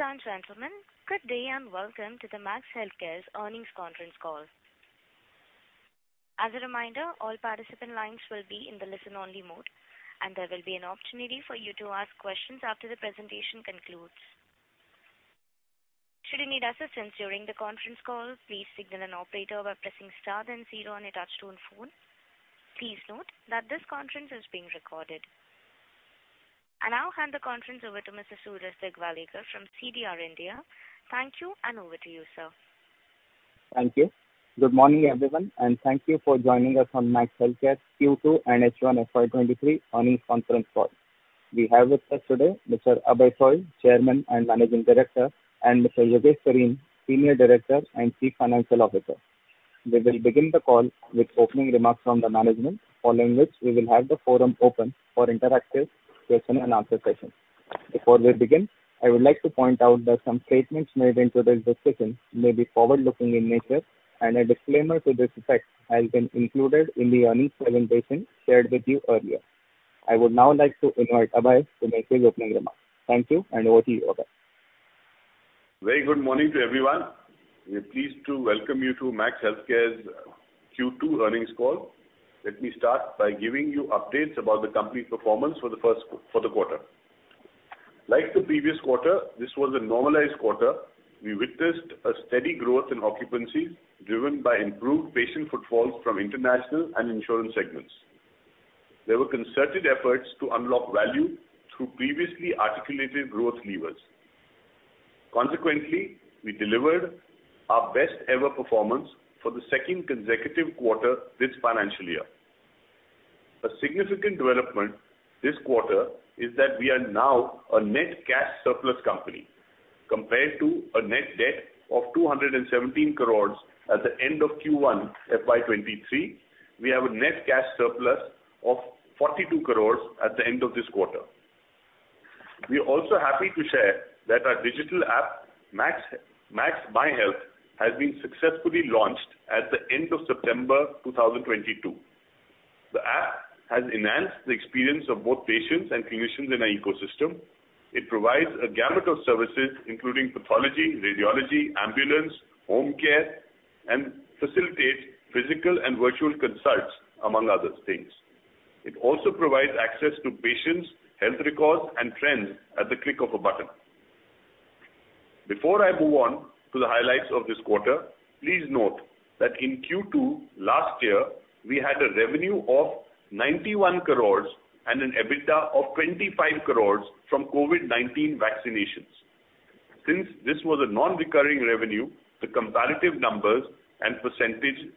Ladies and gentlemen, good day, and welcome to the Max Healthcare's Earnings Conference Call. As a reminder, all participant lines will be in the listen-only mode, and there will be an opportunity for you to ask questions after the presentation concludes. Should you need assistance during the conference call, please signal an operator by pressing star then zero on your touch-tone phone. Please note that this conference is being recorded. I now hand the conference over to Mr. Degevekar from CDR India. Thank you, and over to you, sir. Thank you. Good morning, everyone, and thank you for joining us on Max Healthcare's Q2 and H1 FY 2023 Earnings Conference Call. We have with us today Mr. Abhay Soi, Chairman and Managing Director, and Mr. Yogesh Sareen, Senior Director and Chief Financial Officer. We will begin the call with opening remarks from the management, following which we will have the forum open for interactive question-and-answer session. Before we begin, I would like to point out that some statements made in today's discussion may be forward-looking in nature and a disclaimer to this effect has been included in the earnings presentation shared with you earlier. I would now like to invite Abhay to make his opening remarks. Thank you, and over to you, Abhay. Very good morning to everyone. We're pleased to welcome you to Max Healthcare's Q2 earnings call. Let me start by giving you updates about the company performance for the quarter. Like the previous quarter, this was a normalized quarter. We witnessed a steady growth in occupancy, driven by improved patient footfalls from international and insurance segments. There were concerted efforts to unlock value through previously articulated growth levers. Consequently, we delivered our best ever performance for the second consecutive quarter this financial year. A significant development this quarter is that we are now a net cash surplus company compared to a net debt of 217 crore at the end of Q1 FY 2023. We have a net cash surplus of 42 crore at the end of this quarter. We are also happy to share that our digital app, Max MyHealth, has been successfully launched at the end of September 2022. The app has enhanced the experience of both patients and clinicians in our ecosystem. It provides a gamut of services including pathology, radiology, ambulance, home care, and facilitates physical and virtual consults, among other things. It also provides access to patients' health records and trends at the click of a button. Before I move on to the highlights of this quarter, please note that in Q2 last year, we had a revenue of 91 crore and an EBITDA of 25 crore from COVID-19 vaccinations. Since this was a non-recurring revenue, the comparative numbers and percentage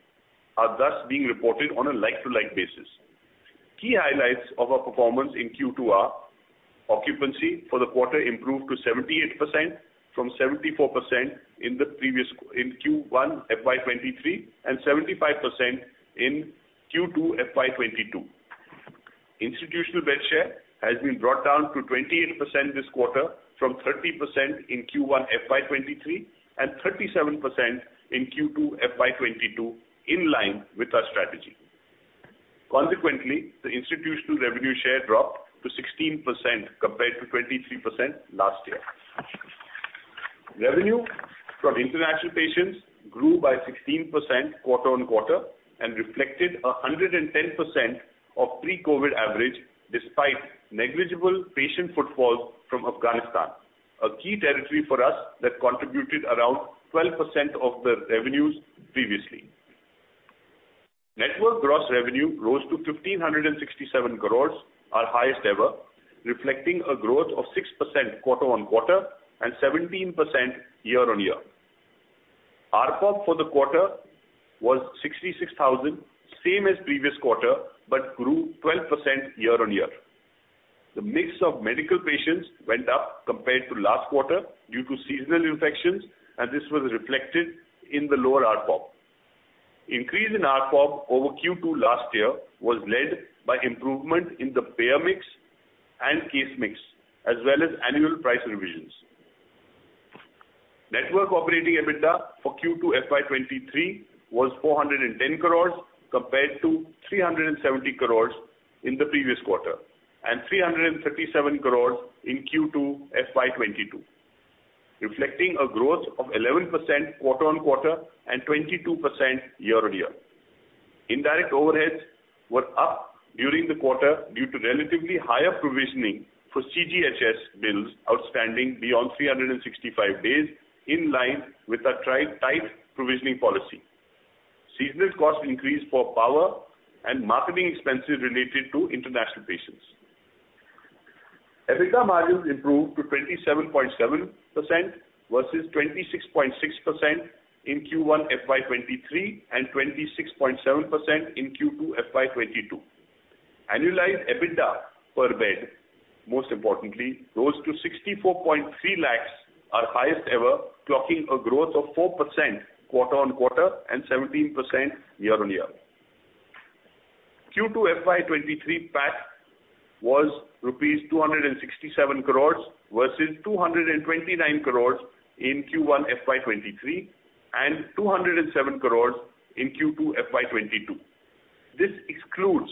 are thus being reported on a like-to-like basis. Key highlights of our performance in Q2 are occupancy for the quarter improved to 78% from 74% in the previous in Q1 FY 2023 and 75% in Q2 FY 2022. Institutional bed share has been brought down to 28% this quarter from 30% in Q1 FY 2023 and 37% in Q2 FY 2022, in line with our strategy. Consequently, the institutional revenue share dropped to 16% compared to 23% last year. Revenue from international patients grew by 16% quarter-on-quarter and reflected 110% of pre-COVID average despite negligible patient footfalls from Afghanistan, a key territory for us that contributed around 12% of the revenues previously. Network gross revenue rose to 1,567 crore, our highest ever, reflecting a growth of 6% quarter-on-quarter and 17% year-on-year. ARPOB for the quarter was 66,000, same as previous quarter, but grew 12% year-on-year. The mix of medical patients went up compared to last quarter due to seasonal infections, and this was reflected in the lower ARPOB. Increase in ARPOB over Q2 last year was led by improvement in the payer mix and case mix, as well as annual price revisions. Network operating EBITDA for Q2 FY 2023 was 410 crore compared to 370 crore in the previous quarter, and 337 crore in Q2 FY 2022, reflecting a growth of 11% quarter-on-quarter and 22% year-on-year. Indirect overheads were up during the quarter due to relatively higher provisioning for CGHS bills outstanding beyond 365 days, in line with our tight provisioning policy. Seasonal cost increase for power and marketing expenses related to international patients. EBITDA margins improved to 27.7% versus 26.6% in Q1 FY 2023 and 26.7% in Q2 FY 2022. Annualized EBITDA per bed, most importantly, rose to 64.3 lakhs, our highest ever, clocking a growth of 4% quarter-on-quarter and 17% year-on-year. Q2 FY 2023 PAT was rupees 267 crores versus 229 crores in Q1 FY 2023 and 207 crores in Q2 FY 2022. This excludes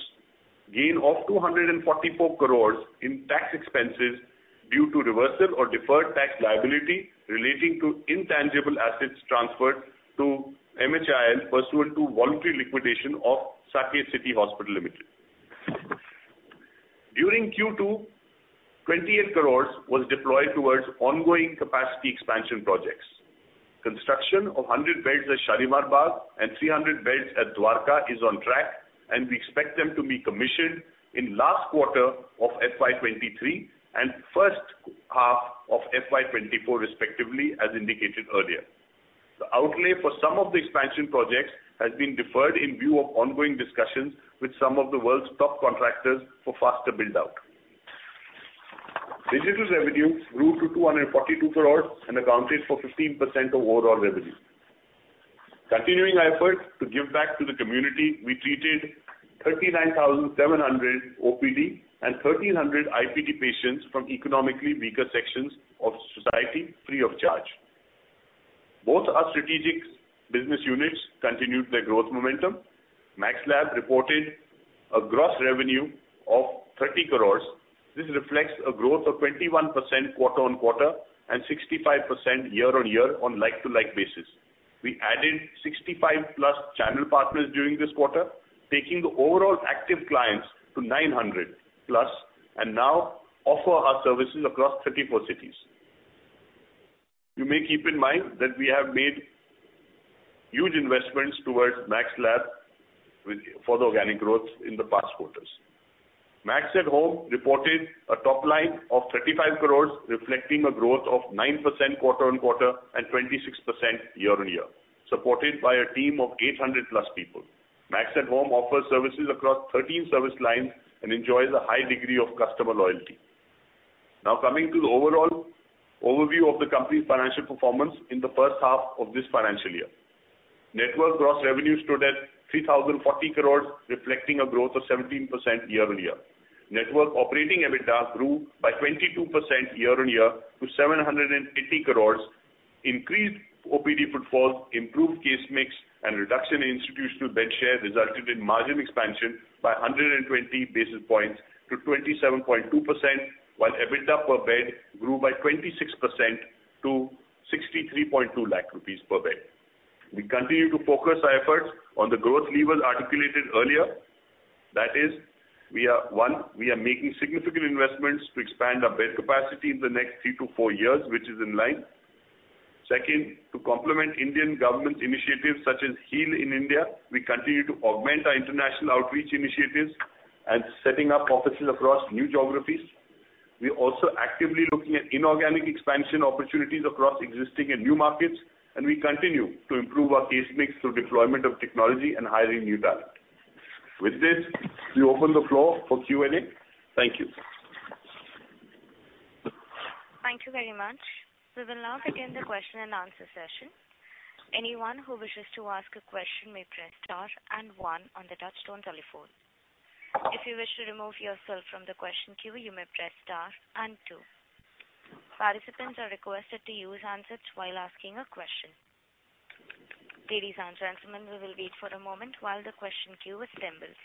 gain of 244 crores in tax expenses due to reversal of deferred tax liability relating to intangible assets transferred to MHIL pursuant to voluntary liquidation of Saket City Hospital Limited. During Q2, 28 crores was deployed towards ongoing capacity expansion projects. Construction of 100 beds at Shalimar Bagh and 300 beds at Dwarka is on track, and we expect them to be commissioned in last quarter of FY 2023 and first half of FY 2024 respectively, as indicated earlier. The outlay for some of the expansion projects has been deferred in view of ongoing discussions with some of the world's top contractors for faster build-out. Digital revenue grew to 242 crore and accounted for 15% of overall revenue. Continuing our effort to give back to the community, we treated 39,700 OPD and 1,300 IPD patients from economically weaker sections of society free of charge. Both our strategic business units continued their growth momentum. Max Lab reported a gross revenue of 30 crore. This reflects a growth of 21% quarter-on-quarter and 65% year-on-year on like-to-like basis. We added 65+ channel partners during this quarter, taking the overall active clients to 900+ and now offer our services across 34 cities. You may keep in mind that we have made huge investments towards Max Lab for the organic growth in the past quarters. MAX@Home reported a top line of 35 crore, reflecting a growth of 9% quarter-on-quarter and 26% year-on-year, supported by a team of 800+ people. MAX@Home offers services across 13 service lines and enjoys a high degree of customer loyalty. Now coming to the overall overview of the company's financial performance in the first half of this financial year. Network gross revenue stood at 3,040 crore, reflecting a growth of 17% year-on-year. Network operating EBITDA grew by 22% year-on-year to 780 crore. Increased OPD footfalls, improved case mix and reduction in institutional bed share resulted in margin expansion by 120 basis points to 27.2%, while EBITDA per bed grew by 26% to 63.2 lakh rupees per bed. We continue to focus our efforts on the growth levers articulated earlier. That is, one, we are making significant investments to expand our bed capacity in the next three to four years, which is in line. Second, to complement Indian government initiatives such as Heal in India, we continue to augment our international outreach initiatives and setting up offices across new geographies. We are also actively looking at inorganic expansion opportunities across existing and new markets, and we continue to improve our case mix through deployment of technology and hiring new talent. With this, we open the floor for Q&A. Thank you. Thank you very much. We will now begin the question-and-answer session. Anyone who wishes to ask a question may press star and one on the touchtone telephone. If you wish to remove yourself from the question queue, you may press star and two. Participants are requested to use handsets while asking a question. Ladies and gentlemen, we will wait for a moment while the question queue assembles.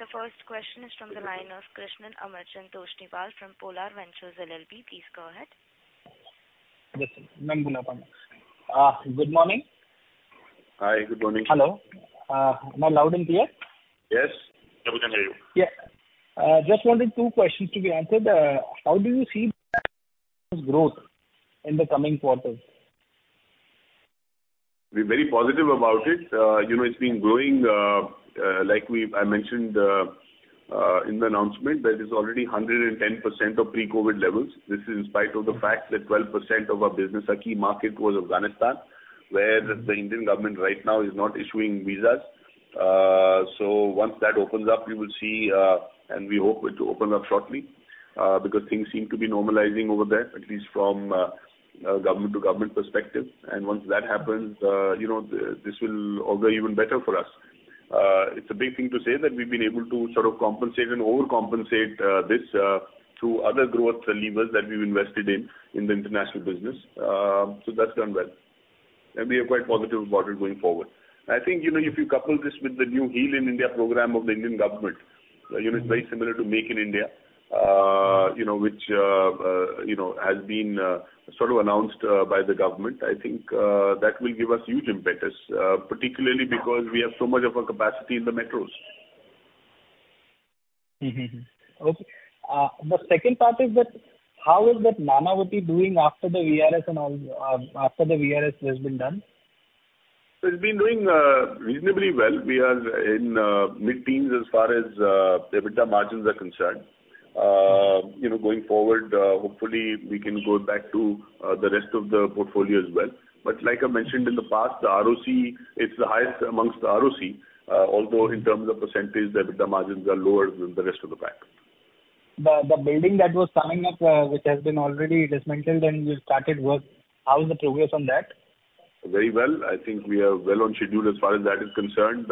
The first question is from the line of Kishan Amarchand Tosniwal from Polar Ventures LLP. Please go ahead. Yes. Good morning. Hi, good morning. Hello. Am I loud and clear? Yes. We can hear you. Yeah. Just wanted two questions to be answered. How do you see growth in the coming quarters? We're very positive about it. You know, it's been growing, like I mentioned, in the announcement that it's already 110% of pre-COVID levels. This is in spite of the fact that 12% of our business, our key market, was Afghanistan, where the Indian government right now is not issuing visas. Once that opens up, we will see, and we hope it to open up shortly, because things seem to be normalizing over there, at least from a government to government perspective. Once that happens, you know, this will all go even better for us. It's a big thing to say that we've been able to sort of compensate and overcompensate this through other growth levers that we've invested in the international business. That's done well. We are quite positive about it going forward. I think, you know, if you couple this with the new Heal in India program of the Indian government, you know, it's very similar to Make in India, you know, which, you know, has been, sort of announced, by the government. I think, that will give us huge impetus, particularly because we have so much of our capacity in the metros. Okay. The second part is that how is that Nanavati doing after the VRS has been done? It's been doing reasonably well. We are in mid-teens as far as EBITDA margins are concerned. You know, going forward, hopefully we can go back to the rest of the portfolio as well. Like I mentioned in the past, the ROCE is the highest amongst the ROCE, although in terms of percentage, the EBITDA margins are lower than the rest of the pack. The building that was coming up, which has been already dismantled, and you started work. How is the progress on that? Very well. I think we are well on schedule as far as that is concerned.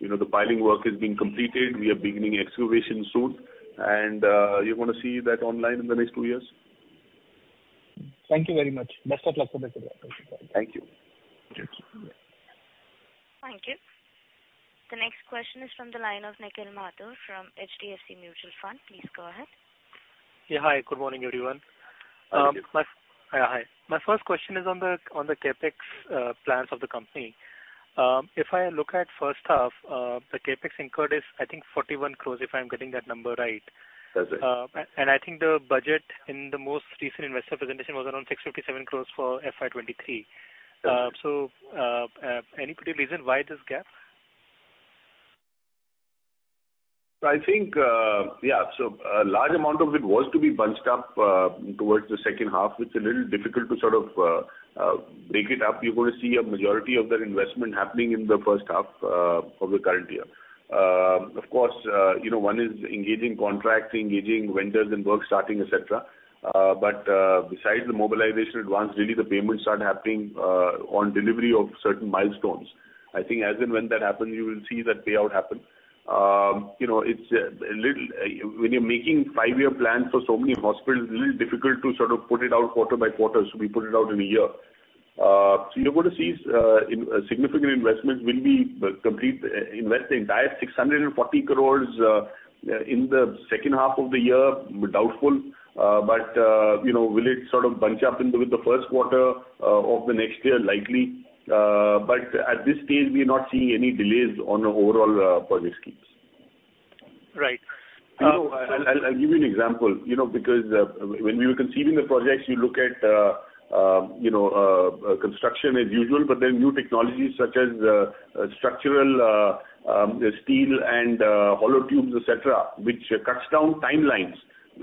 You know, the piling work is being completed. We are beginning excavation soon, and you're gonna see that online in the next two years. Thank you very much. Best of luck for the quarter. Thank you. Thank you. Thank you. The next question is from the line of Nikhil Mathur from HDFC Mutual Fund. Please go ahead. Yeah, hi. Good morning, everyone. Thank you. Yeah, hi. My first question is on the CapEx plans of the company. If I look at first half, the CapEx incurred is, I think, 41 crore, if I'm getting that number right. That's right. I think the budget in the most recent investor presentation was around 657 crores for FY 2023. That's right. Any particular reason why this gap? I think, yeah. A large amount of it was to be bunched up towards the second half. It's a little difficult to sort of break it up. You're gonna see a majority of that investment happening in the first half of the current year. Of course, you know, one is engaging contracts, engaging vendors, and work starting, et cetera. Besides the mobilization advance, really the payments start happening on delivery of certain milestones. I think as and when that happens, you will see that payout happen. You know, when you're making five-year plans for so many hospitals, it's a little difficult to sort of put it out quarter by quarter, so we put it out in a year. You're gonna see significant investments will be complete, investing entire 640 crore in the second half of the year. Doubtful. You know, will it sort of bunch up in the first quarter of the next year? Likely. At this stage, we are not seeing any delays on the overall project schemes. Right. You know, I'll give you an example. You know, because when we were conceiving the projects, you look at, you know, construction as usual, but then new technologies such as structural steel and hollow tubes, et cetera, which cuts down timelines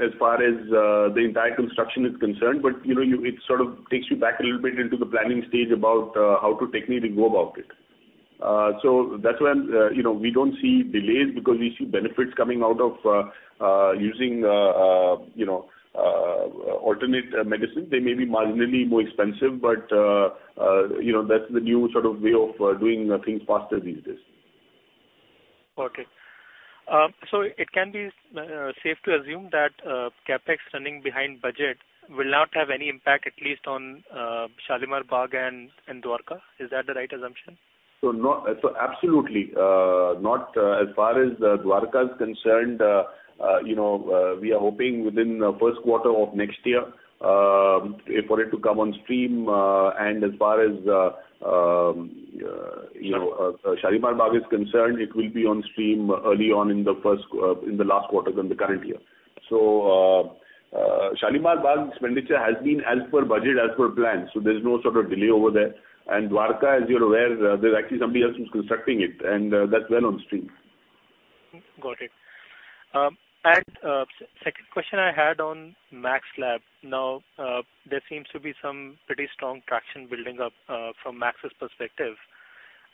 as far as the entire construction is concerned. You know it sort of takes you back a little bit into the planning stage about how to technically go about it. That's when you know we don't see delays because we see benefits coming out of using, you know, alternative materials. They may be marginally more expensive, but you know that's the new sort of way of doing things faster these days. Okay. It can be safe to assume that CapEx running behind budget will not have any impact at least on Shalimar Bagh and Dwarka. Is that the right assumption? Absolutely not as far as Dwarka is concerned. You know, we are hoping within the first quarter of next year for it to come on stream. As far as Shalimar Bagh is concerned, it will be on stream early on in the last quarter of the current year. Shalimar Bagh expenditure has been as per budget, as per plan, so there's no sort of delay over there. Dwarka, as you're aware, there's actually somebody else who's constructing it, and that's well on stream. Got it. Second question I had on Max Lab. Now, there seems to be some pretty strong traction building up from Max's perspective.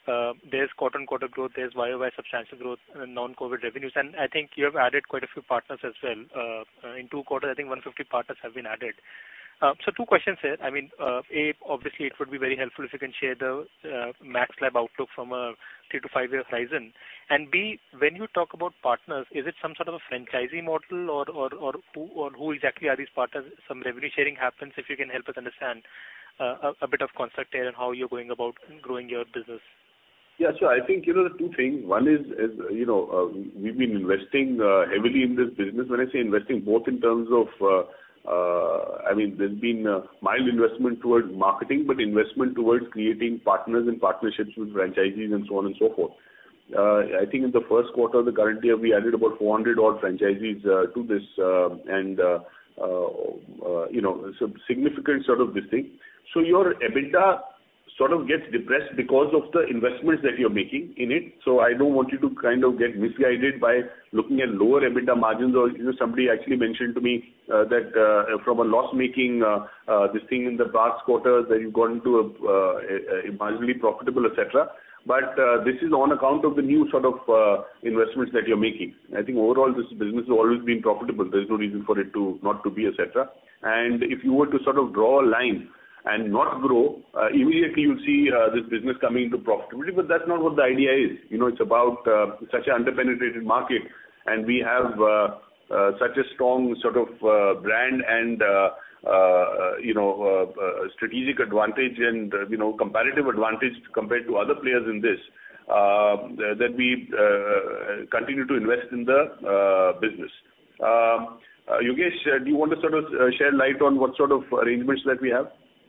There's quarter-on-quarter growth, there's year-over-year substantial growth in non-COVID revenues, and I think you have added quite a few partners as well. In two quarters, I think 150 partners have been added. Two questions there. I mean, A, obviously, it would be very helpful if you can share the Max Lab outlook from a three- to five-year horizon. B, when you talk about partners, is it some sort of a franchisee model or who exactly are these partners? Some revenue sharing happens, if you can help us understand a bit of concept there and how you're going about growing your business. Yeah, sure. I think, you know, there are two things. One is, you know, we've been investing heavily in this business. When I say investing, both in terms of, I mean, there's been a mild investment towards marketing, but investment towards creating partners and partnerships with franchisees and so on and so forth. I think in the first quarter of the current year, we added about 400 franchisees to this, and, you know, so significant sort of this thing. Your EBITDA sort of gets depressed because of the investments that you're making in it. I don't want you to kind of get misguided by looking at lower EBITDA margins or, you know, somebody actually mentioned to me that from a loss-making this thing in the past quarters that you've gone to a marginally profitable, et cetera. This is on account of the new sort of investments that you're making. I think overall, this business has always been profitable. There's no reason for it not to be, et cetera. If you were to sort of draw a line and not grow, immediately you'll see this business coming into profitability. That's not what the idea is. You know, it's about such an under-penetrated market, and we have such a strong sort of brand and you know strategic advantage and you know comparative advantage compared to other players in this that we continue to invest in the business. Yogesh, do you want to sort of shed light on what sort of arrangements that we have?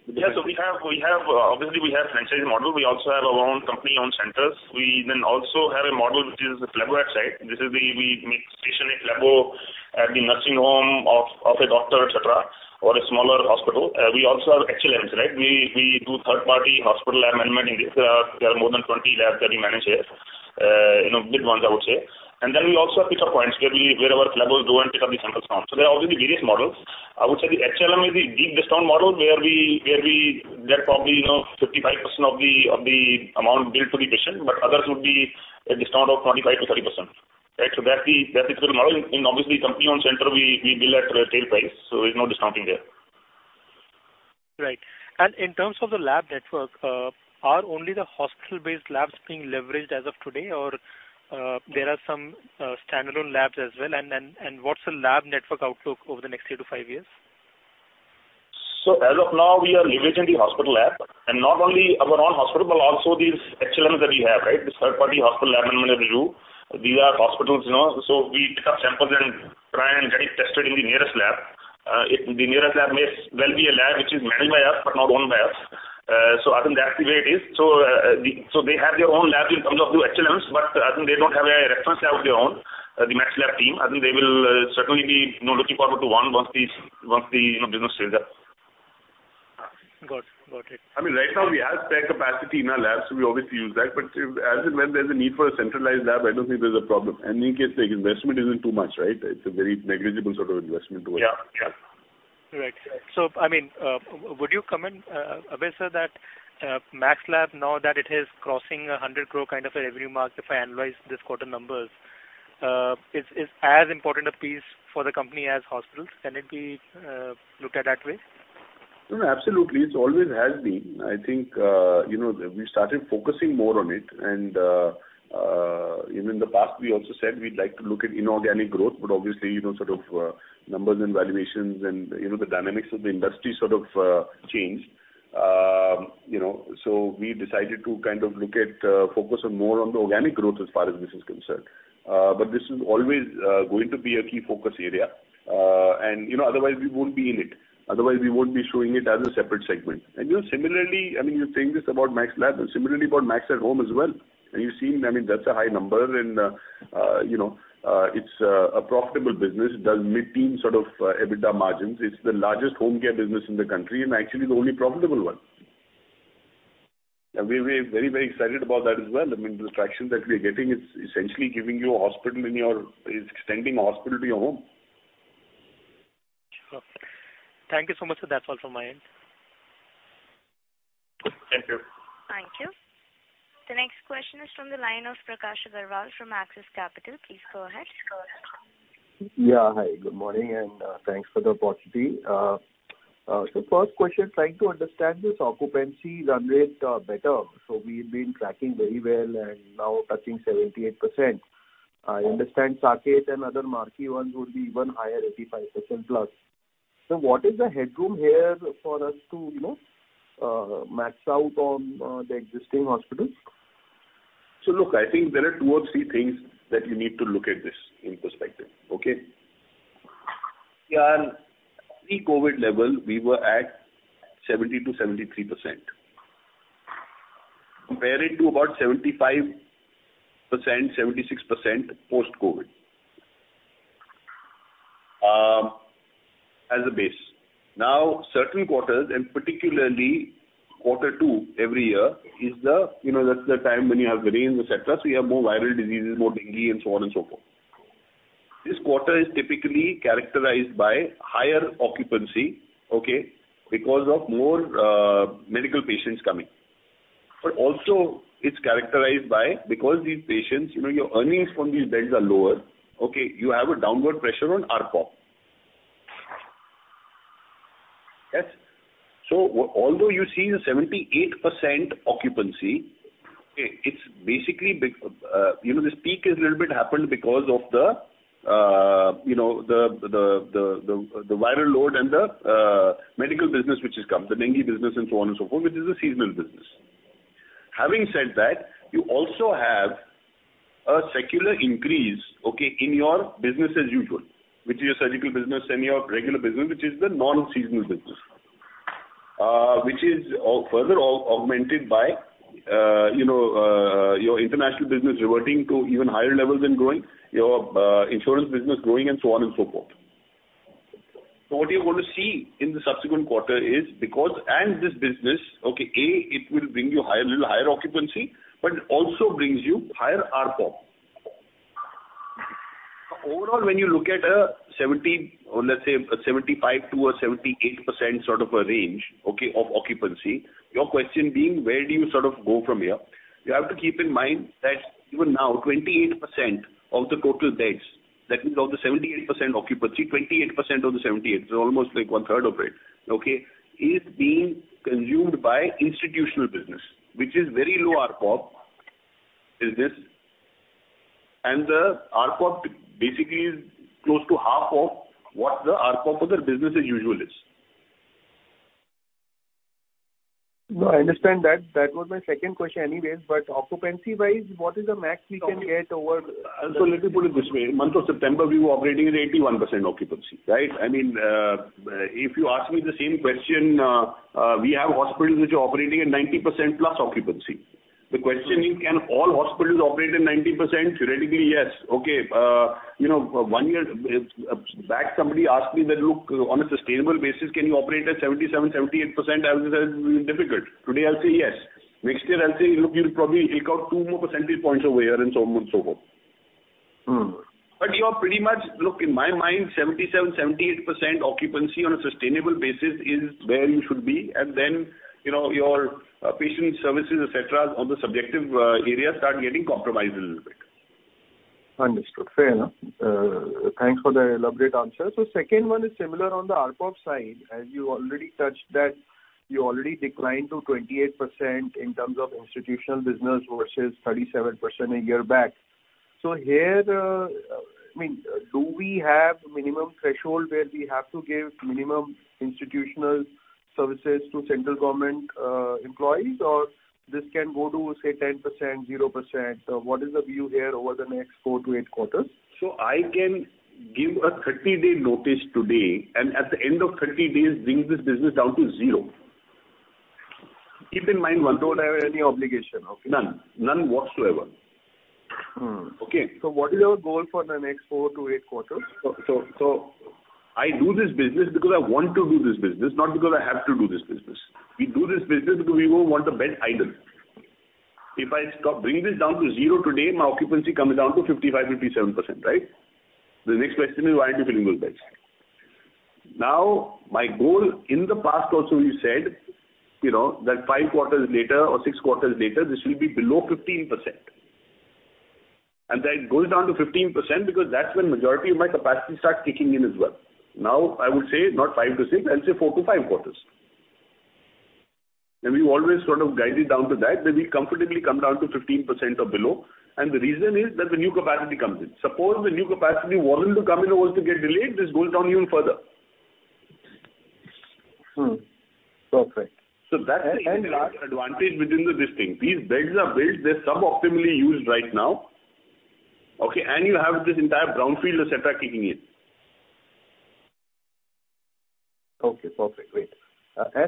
We obviously have franchise model. We also have our own company-owned centers. We then also have a model which is the Lab Outside. This is the, we make stationary lab at the nursing home of a doctor, et cetera, or a smaller hospital. We also have HLMs. We do third-party hospital lab management. In this, there are more than 20 labs that we manage here. You know, big ones I would say. We also have pick-up points, where our labs go and pick up the samples from. There are obviously various models. I would say the HLM is the deep discount model where they're probably, you know, 55% of the amount billed to the patient, but others would be a discount of 25%-30%. That's the sort of model. Obviously company-owned center we bill at retail price, so there's no discounting there. Right. In terms of the lab network, are only the hospital-based labs being leveraged as of today or there are some standalone labs as well? What's the lab network outlook over the next three to five years? As of now, we are leveraging the hospital lab, and not only our own hospital, but also these HLMs that we have, right? This third-party hospital lab network. These are hospitals, you know, so we pick up samples and try and get it tested in the nearest lab. The nearest lab may as well be a lab which is managed by us but not owned by us. I think that's the way it is. They have their own labs in terms of the HLMs, but I think they don't have a reference lab of their own, the Max Lab team. I think they will certainly be, you know, looking forward to one once the business scales up. Got it. Got it. I mean, right now we have spare capacity in our labs, so we obviously use that. If as and when there's a need for a centralized lab, I don't think there's a problem. In any case, the investment isn't too much, right? It's a very negligible sort of investment to us. Yeah. Yeah. Right. I mean, would you comment, Abhay sir, that Max Lab now that it is crossing 100 crore kind of a revenue mark, if I analyze this quarter numbers, is as important a piece for the company as hospitals? Can it be looked at that way? No, absolutely. It always has been. I think, you know, we started focusing more on it and, even in the past we also said we'd like to look at inorganic growth, but obviously, you know, sort of, numbers and valuations and, you know, the dynamics of the industry sort of, changed. You know, we decided to kind of focus on more on the organic growth as far as this is concerned. This is always going to be a key focus area. You know, otherwise we won't be in it, otherwise we won't be showing it as a separate segment. You know, similarly, I mean, you're saying this about Max Lab and similarly about MAX@Home as well. You've seen, I mean, that's a high number and, you know, it's a profitable business. It does mid-teen sort of EBITDA margins. It's the largest home care business in the country, and actually the only profitable one. We're very, very excited about that as well. I mean, the traction that we are getting is essentially extending a hospital to your home. Sure. Thank you so much, sir. That's all from my end. Thank you. Thank you. The next question is from the line of Prakash Agarwal from Axis Capital. Please go ahead. Yeah. Hi, good morning and, thanks for the opportunity. First question, trying to understand this occupancy run rate better. We've been tracking very well and now touching 78%. I understand Saket and other marquee ones would be even higher, 85%+. What is the headroom here for us to, you know, max out on the existing hospitals? Look, I think there are two or three things that you need to look at this in perspective. Okay? Yeah, pre-COVID level we were at 70%-73%. Compare it to about 75%, 76% post-COVID, as a base. Now, certain quarters and particularly quarter two every year is the, you know, that's the time when you have rains, et cetera, so you have more viral diseases, more dengue and so on and so forth. This quarter is typically characterized by higher occupancy, okay? Because of more medical patients coming. But also it's characterized by, because these patients, you know, your earnings from these beds are lower, okay, you have a downward pressure on ARPOB. Yes. Although you see the 78% occupancy, it's basically this peak has a little bit happened because of the viral load and the medical business which has come, the dengue business and so on and so forth, which is a seasonal business. Having said that, you also have a secular increase, okay, in your business as usual, which is your surgical business and your regular business, which is the non-seasonal business. Which is further augmented by your international business reverting to even higher levels and growing, your insurance business growing and so on and so forth. What you're going to see in the subsequent quarter this business, okay, A, it will bring you a little higher occupancy, but it also brings you higher ARPOB. Overall, when you look at a 70% or let's say 75%-78% sort of a range, okay, of occupancy, your question being where do you sort of go from here? You have to keep in mind that even now, 28% of the total beds, that means of the 78% occupancy, 28% of the 78%, so almost like one-third of it, okay, is being consumed by institutional business, which is very low ARPOB business and the ARPOB basically is close to half of what the ARPOB of the business as usual is. No, I understand that. That was my second question anyways. Occupancy-wise, what is the max we can get over- Let me put it this way: month of September we were operating at 81% occupancy, right? I mean, if you ask me the same question, we have hospitals which are operating at 90%+ occupancy. The question is, can all hospitals operate at 90%? Theoretically, yes. Okay. You know, one year back, somebody asked me that, "Look, on a sustainable basis, can you operate at 77%-78%?" I would've said it's difficult. Today, I'll say yes. Next year I'll say, look, you'll probably eke out two more percentage points over here and so on and so forth. You're pretty much. Look, in my mind, 77%-78% occupancy on a sustainable basis is where you should be, and then, you know, your patient services, et cetera, on the subjective area start getting compromised a little bit. Understood. Fair enough. Thanks for the elaborate answer. Second one is similar on the ARPOB side, as you already touched that you already declined to 28% in terms of institutional business versus 37% a year back. Here, I mean, do we have minimum threshold where we have to give minimum institutional services to central government employees, or this can go to, say, 10%, 0%? What is the view here over the next four to eight quarters? I can give a 30-day notice today and at the end of 30 days, bring this business down to zero. Keep in mind one thing. You don't have any obligation. Okay. None. None whatsoever. Mm. Okay. What is your goal for the next four to eight quarters? I do this business because I want to do this business, not because I have to do this business. We do this business because we don't want the bed idle. If I bring this down to zero today, my occupancy comes down to 55%-57%, right? The next question is, why are you filling those beds? Now, my goal in the past also, we said, that five quarters later or six quarters later, this will be below 15%. That goes down to 15% because that's when majority of my capacity starts kicking in as well. Now, I would say not five to six, I'll say four to five quarters. We've always sort of guided down to that we comfortably come down to 15% or below. The reason is that the new capacity comes in. Suppose the new capacity wasn't to come in or was to get delayed, this goes down even further. Perfect. That's the inherent advantage within the listing. These beds are built, they're sub-optimally used right now. Okay, and you have this entire brownfield, et cetera, kicking in. Okay, perfect. Great.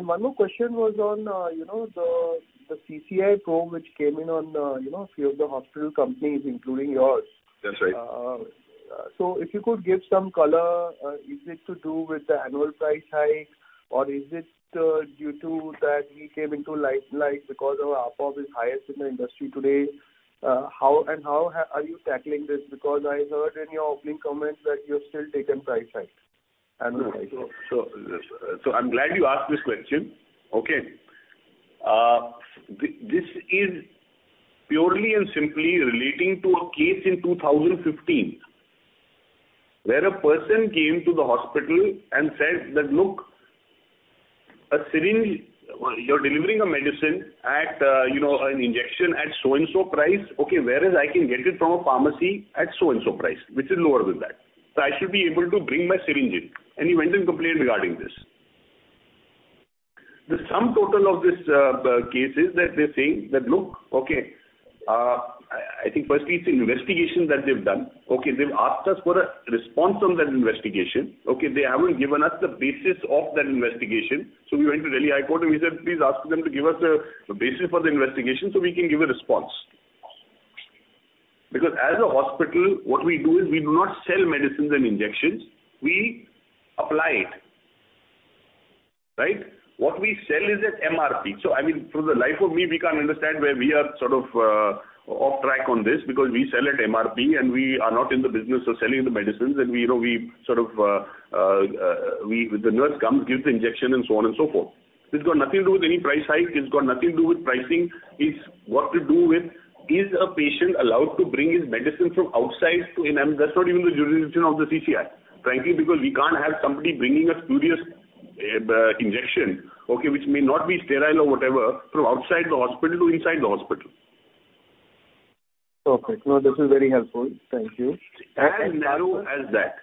One more question was on, you know, the CCI probe which came in on, you know, a few of the hospital companies, including yours. That's right. If you could give some color, is it to do with the annual price hike or is it due to that we came into light like because our ARPOB is highest in the industry today? How are you tackling this? Because I heard in your opening comments that you're still taking price hikes, annual price hikes. I'm glad you asked this question. This is purely and simply relating to a case in 2015, where a person came to the hospital and said that, "Look, a syringe, you're delivering a medicine at an injection at so and so price, whereas I can get it from a pharmacy at so and so price, which is lower than that. So I should be able to bring my syringe in." He went and complained regarding this. The sum total of this case is that they're saying that I think firstly it's an investigation that they've done. They've asked us for a response on that investigation. They haven't given us the basis of that investigation. We went to Delhi High Court, and we said, "Please ask them to give us a basis for the investigation so we can give a response." Because as a hospital, what we do is we do not sell medicines and injections, we apply it. Right? What we sell is at MRP. I mean, for the life of me, we can't understand where we are sort of off track on this because we sell at MRP and we are not in the business of selling the medicines. We, you know, we sort of, The nurse comes, gives the injection and so on and so forth. It's got nothing to do with any price hike. It's got nothing to do with pricing. It's got to do with, is a patient allowed to bring his medicine from outside to in? That's not even the jurisdiction of the CCI, frankly, because we can't have somebody bringing a spurious injection, okay, which may not be sterile or whatever, from outside the hospital to inside the hospital. Perfect. No, this is very helpful. Thank you. As narrow as that.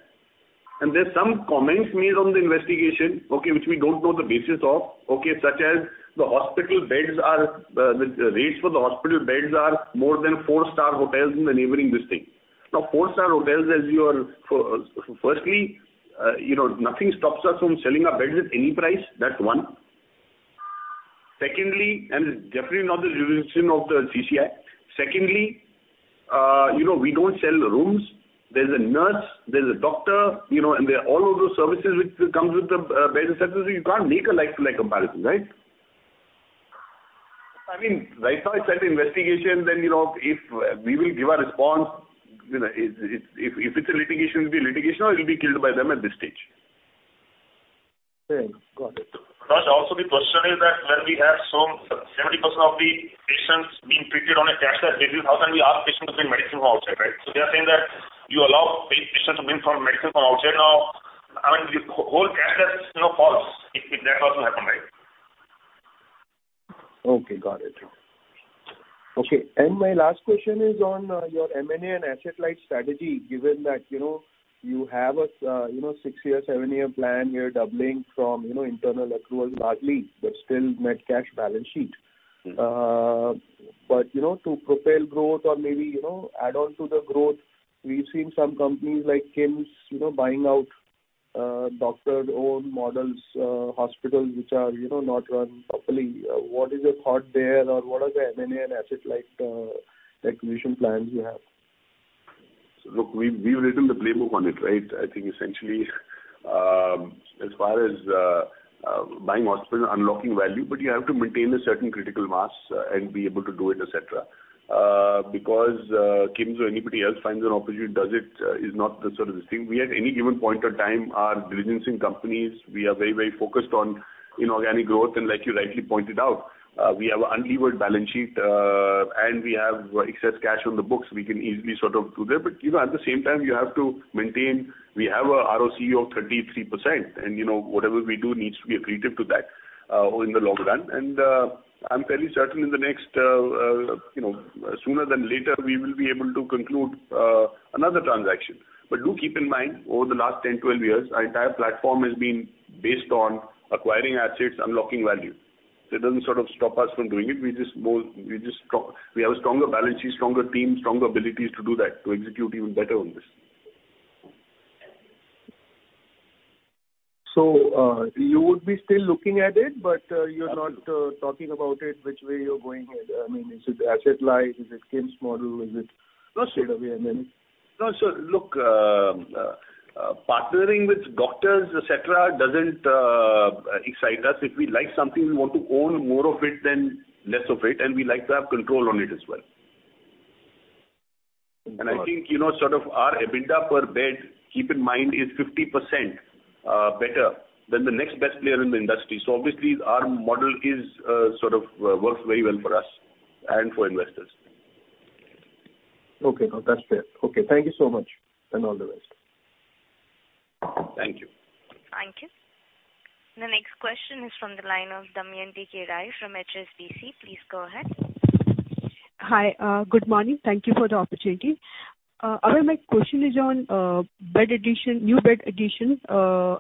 There's some comments made on the investigation, okay, which we don't know the basis of, okay, such as the rates for the hospital beds are more than four-star hotels in the neighboring listing. Now, four-star hotels. Firstly, you know, nothing stops us from selling our beds at any price. That's one. Secondly, it's definitely not the jurisdiction of the CCI. You know, we don't sell rooms. There's a nurse, there's a doctor, you know, and there are all of those services which comes with the beds and services. You can't make a like to like comparison, right? I mean, right now it's at the investigation. You know, if we will give a response, you know, if it's a litigation, it'll be a litigation or it'll be killed by them at this stage. Okay. Got it. Raj, also the question is that when we have some 70% of the patients being treated on a cashless basis, how can we ask patients to bring medicine from outside, right? They are saying that you allow patients to bring medicine from outside. Now, I mean, the whole cashless, you know, falls if that also happen, right? Okay, got it. Okay. My last question is on your M&A and asset-light strategy, given that, you know, you have a six-year, seven-year plan, you're doubling from, you know, internal accruals largely, but still net cash balance sheet. But you know, to propel growth or maybe, you know, add on to the growth, we've seen some companies like KIMS, you know, buying out doctor-owned model hospitals which are, you know, not run properly. What is your thought there? Or what are the M&A and asset-light acquisition plans you have? Look, we've written the playbook on it, right? I think essentially, as far as buying hospital, unlocking value, but you have to maintain a certain critical mass, and be able to do it, et cetera. Because KIMS or anybody else finds an opportunity does it, is not the sort of this thing. We at any given point of time are diligencing companies. We are very, very focused on, you know, organic growth. Like you rightly pointed out, we have unlevered balance sheet, and we have excess cash on the books. We can easily sort of do that. You know, at the same time you have to maintain, we have a ROCE of 33% and, you know, whatever we do needs to be accretive to that, in the long run. I'm fairly certain in the next, you know, sooner than later, we will be able to conclude another transaction. Do keep in mind, over the last 10, 12 years, our entire platform has been based on acquiring assets, unlocking value. It doesn't sort of stop us from doing it. We have a stronger balance sheet, stronger team, stronger abilities to do that, to execute even better on this. You would be still looking at it, but you're not talking about it which way you're going here. I mean, is it asset light? Is it KIMS model? Is it straight away I mean. No. Look, partnering with doctors, et cetera, doesn't excite us. If we like something, we want to own more of it than less of it, and we like to have control on it as well. Got it. I think, you know, sort of our EBITDA per bed, keep in mind, is 50% better than the next best player in the industry. Obviously our model is, sort of, works very well for us and for investors. Okay. No, that's fair. Okay, thank you so much and all the best. Thank you. Thank you. The next question is from the line of Damayanti Kerai from HSBC. Please go ahead. Hi. Good morning. Thank you for the opportunity. Abhay, my question is on bed addition, new bed addition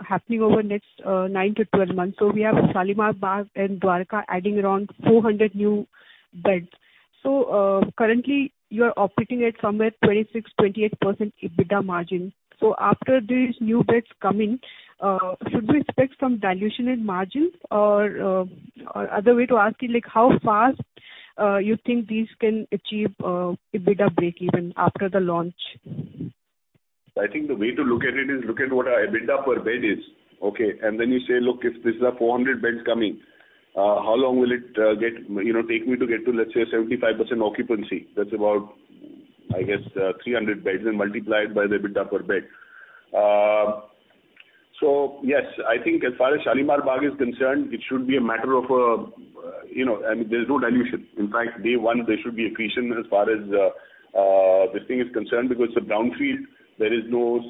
happening over next nine to 12 months. We have Shalimar Bagh and Dwarka adding around 400 new beds. Currently you are operating at somewhere 26%-28% EBITDA margin. After these new beds come in, should we expect some dilution in margins? Or other way to ask it, like how fast you think these can achieve EBITDA breakeven after the launch? I think the way to look at it is look at what our EBITDA per bed is. Okay. You say, "Look, if this is our 400 beds coming, how long will it, you know, take me to get to, let's say, 75% occupancy?" That's about, I guess, 300 beds and multiply it by the EBITDA per bed. Yes, I think as far as Shalimar Bagh is concerned, it should be a matter of, you know. I mean, there's no dilution. In fact, day one there should be accretion as far as this thing is concerned because it's a brownfield. There is no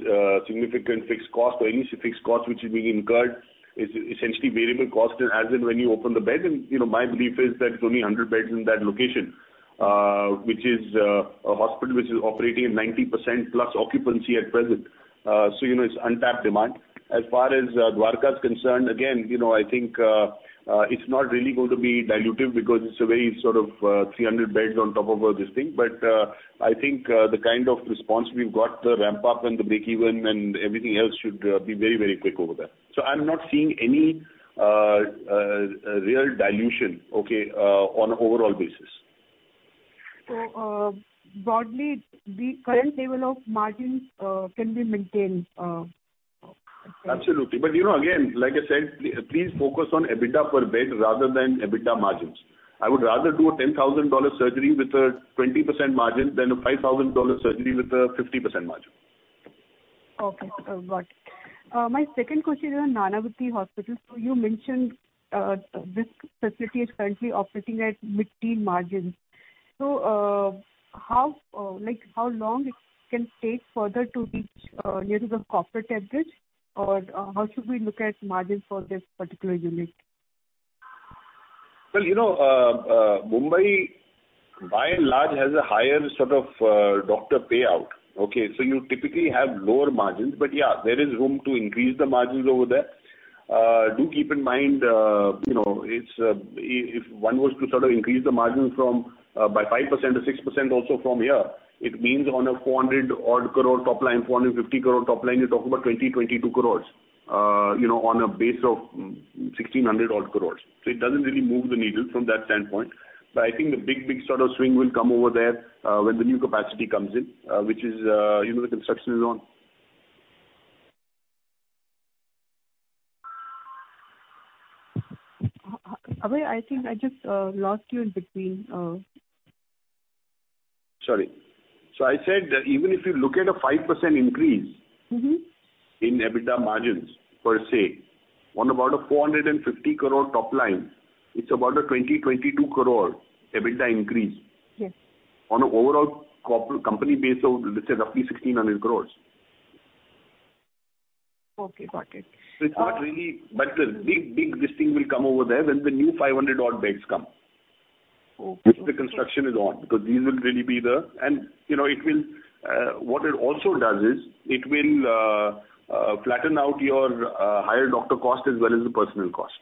significant fixed cost or any fixed cost which is being incurred. It's essentially variable cost as in when you open the bed. You know, my belief is that it's only 100 beds in that location, which is a hospital which is operating at 90%+ occupancy at present. You know, it's untapped demand. As far as Dwarka is concerned, again, you know, I think it's not really going to be dilutive because it's a very sort of 300 beds on top of this thing. I think the kind of response we've got, the ramp up and the breakeven and everything else should be very, very quick over there. I'm not seeing any real dilution, okay, on an overall basis. Broadly, the current level of margins can be maintained. Absolutely. You know, again, like I said, please focus on EBITDA per bed rather than EBITDA margins. I would rather do a $10,000 surgery with a 20% margin than a $5,000 surgery with a 50% margin. Okay. Got it. My second question is on Nanavati Hospital. You mentioned this facility is currently operating at mid-teen margins. How long can it take further to reach near to the corporate average? Or, how should we look at margin for this particular unit? Well, you know, Mumbai by and large has a higher sort of doctor payout, okay? So you typically have lower margins. But yeah, there is room to increase the margins over there. Do keep in mind, you know, it's if one was to sort of increase the margins from by 5% or 6% also from here, it means on a 400-odd crore top line, 450 crore top line, you're talking about 20-22 crores, you know, on a base of 1,600-odd crores. So it doesn't really move the needle from that standpoint. But I think the big, big sort of swing will come over there when the new capacity comes in, which is, you know, the construction is on. Abhay, I think I just lost you in between. Sorry. I said even if you look at a 5% increase. Mm-hmm. in EBITDA margins per se, on about a 450 crore top line, it's about a 22 crore EBITDA increase. Yes. On a overall company base of, let's say roughly 1,600 crores. Okay, got it. It's not really the big thing will come over there when the new 500-odd beds come. Okay. With the construction on, because these will really be the. You know, what it also does is it will flatten out your higher doctor cost as well as the personnel cost.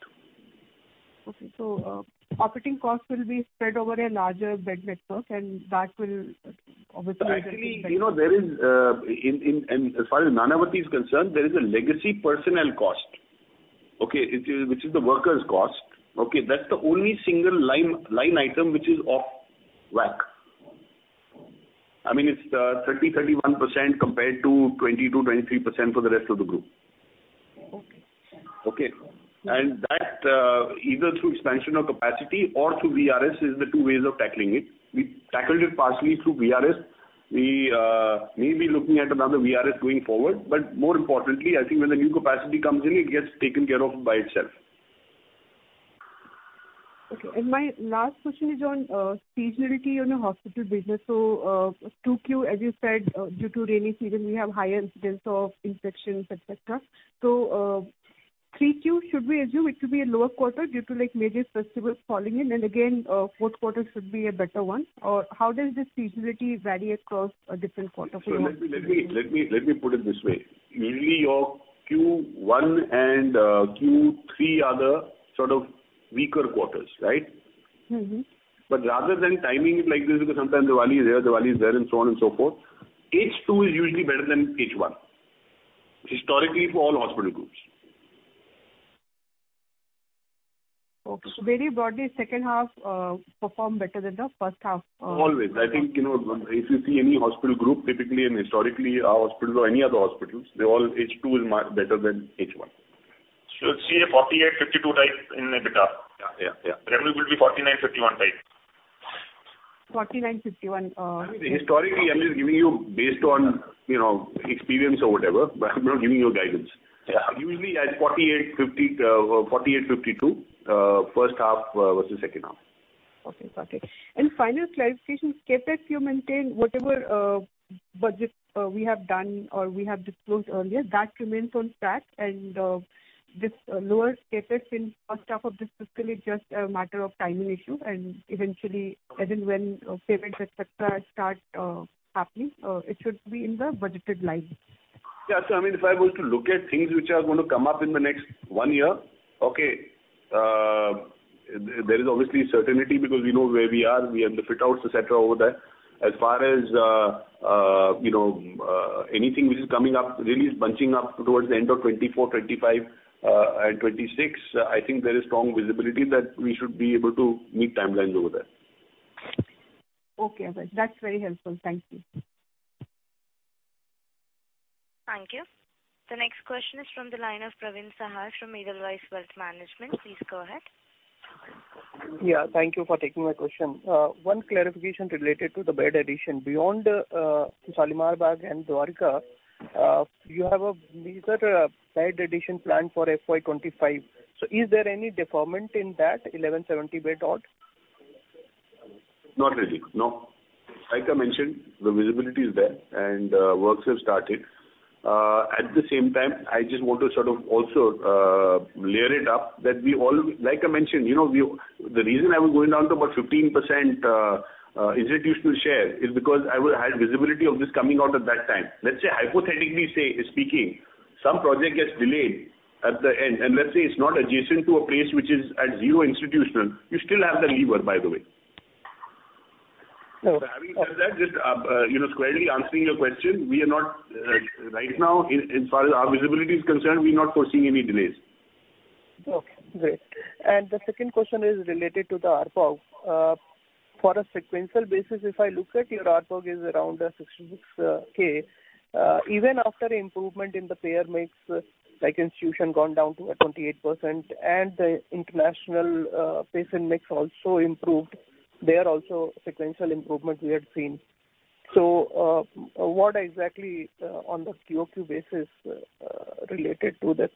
Okay. Operating costs will be spread over a larger bed network and that will obviously Actually, you know, there is, and as far as Nanavati is concerned, there is a legacy personnel cost, okay, which is the workers' cost. Okay? That's the only single line item which is out of whack. I mean, it's 31% compared to 20%-23% for the rest of the group. Okay. Okay. That either through expansion of capacity or through VRS is the two ways of tackling it. We tackled it partially through VRS. We may be looking at another VRS going forward, but more importantly, I think when the new capacity comes in, it gets taken care of by itself. Okay. My last question is on seasonality on your hospital business. 2Q, as you said, due to rainy season, we have higher incidence of infections, et cetera. 3Q, should we assume it should be a lower quarter due to like major festivals falling in? And again, fourth quarter should be a better one. Or how does this seasonality vary across different quarter for your hospital business? Let me put it this way. Usually your Q1 and Q3 are the sort of weaker quarters, right? Mm-hmm. Rather than timing it like this, because sometimes Diwali is there, and so on and so forth, H2 is usually better than H1, historically for all hospital groups. Okay. Very broadly, second half perform better than the first half. Always. I think, you know, if you see any hospital group, typically and historically, our hospitals or any other hospitals, they all H2 is much better than H1. You'll see a 48%-52% type in EBITDA. Yeah, yeah. Revenue will be 49-51 type. 49, 51 Historically, I'm just giving you based on, you know, experience or whatever. I'm not giving you a guidance. Yeah. Usually as 49-52 first half versus second half. Okay, got it. Final clarification, CapEx you maintain whatever budget we have done or we have disclosed earlier, that remains on track and this lower CapEx in first half of this fiscal is just a matter of timing issue, and eventually as and when payments, et cetera, start happening, it should be in the budgeted line. Yeah. I mean, if I was to look at things which are gonna come up in the next one year, okay, there is obviously certainty because we know where we are. We have the fit outs, et cetera, over there. As far as, you know, anything which is coming up really is bunching up towards the end of 2024, 2025, and 2026. I think there is strong visibility that we should be able to meet timelines over there. Okay. That's very helpful. Thank you. Thank you. The next question is from the line of Praveen Sahay from Edelweiss Wealth Management. Please go ahead. Thank you for taking my question. One clarification related to the bed addition. Beyond Shalimar Bagh and Dwarka, you have a major bed addition plan for FY 2025. Is there any deferment in that 1,170 bed odd? Not really, no. Like I mentioned, the visibility is there and works have started. At the same time, I just want to sort of also layer it up that we all. Like I mentioned, you know, the reason I was going down to about 15%, institutional share is because I had visibility of this coming out at that time. Let's say, hypothetically speaking, some project gets delayed at the end, and let's say it's not adjacent to a place which is at zero institutional, you still have the lever, by the way. Okay. Having said that, just, you know, squarely answering your question, we are not right now, as far as our visibility is concerned, we're not foreseeing any delays. Okay, great. The second question is related to the ARPOB. For a sequential basis, if I look at your ARPOB is around 66,000. Even after improvement in the payer mix, like institutional gone down to 28% and the international patient mix also improved. There also sequential improvement we had seen. What exactly on the QOQ basis related to this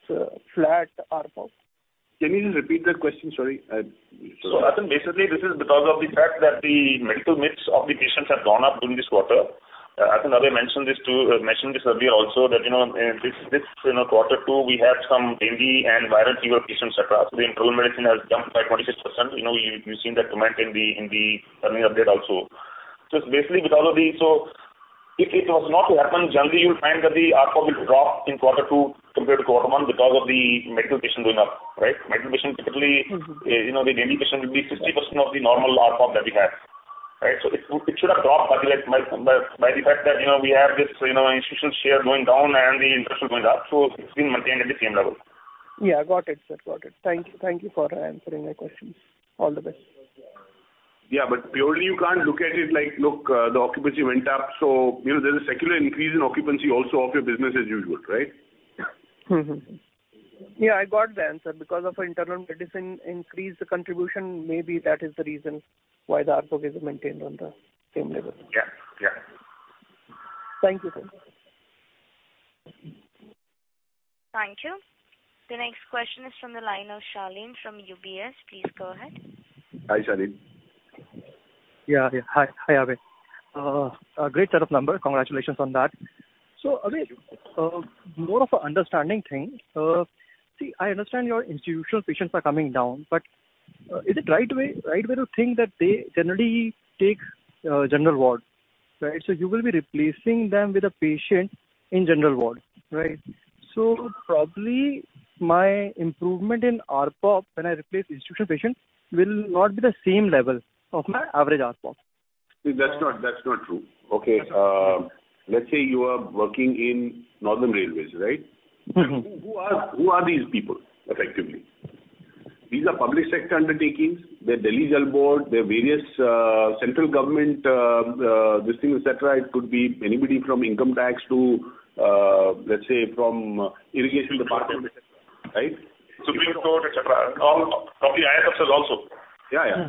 flat ARPOB? Can you just repeat that question? Sorry. Basically, this is because of the fact that the medical mix of the patients have gone up during this quarter. As Abhay mentioned this earlier also that, quarter two, we had some dengue and viral fever patients across. The internal medicine has jumped by 26%. You've seen that comment in the earnings update also. Basically because of the. If it was not to happen, generally you would find that the ARPOB will drop in quarter two compared to quarter one because of the medical patients going up, right? Medical patients typically- Mm-hmm. You know, the dengue patient will be 50% of the normal ARPOB that we have, right? It should have dropped by the fact that, you know, we have this, you know, institutional share going down and the international going up, so it's been maintained at the same level. Yeah, got it, sir. Got it. Thank you. Thank you for answering my questions. All the best. Yeah, purely you can't look at it like, look, the occupancy went up, so you know, there's a secular increase in occupancy also of your business as usual, right? I got the answer because of our internal medicine increased the contribution, maybe that is the reason why the ARPOB is maintained on the same level. Yeah. Yeah. Thank you, sir. Thank you. The next question is from the line of Shaleen from UBS. Please go ahead. Hi, Shaleen. Yeah. Hi, Abhay. A great set of numbers. Congratulations on that. Abhay, more of an understanding thing. See, I understand your institutional patients are coming down, but is it right way to think that they generally take general ward, right? You will be replacing them with a patient in general ward, right? Probably my improvement in ARPOB when I replace institutional patient will not be the same level of my average ARPOB. See, that's not true. Okay. Let's say you are working in Northern Railway, right? Mm-hmm. Who are these people, effectively? These are public sector undertakings. They're Delhi Jal Board, they're various central government, this thing, et cetera. It could be anybody from income tax to, let's say, from irrigation department, right? Supreme Court, et cetera. All the IAS officers also. Yeah, yeah.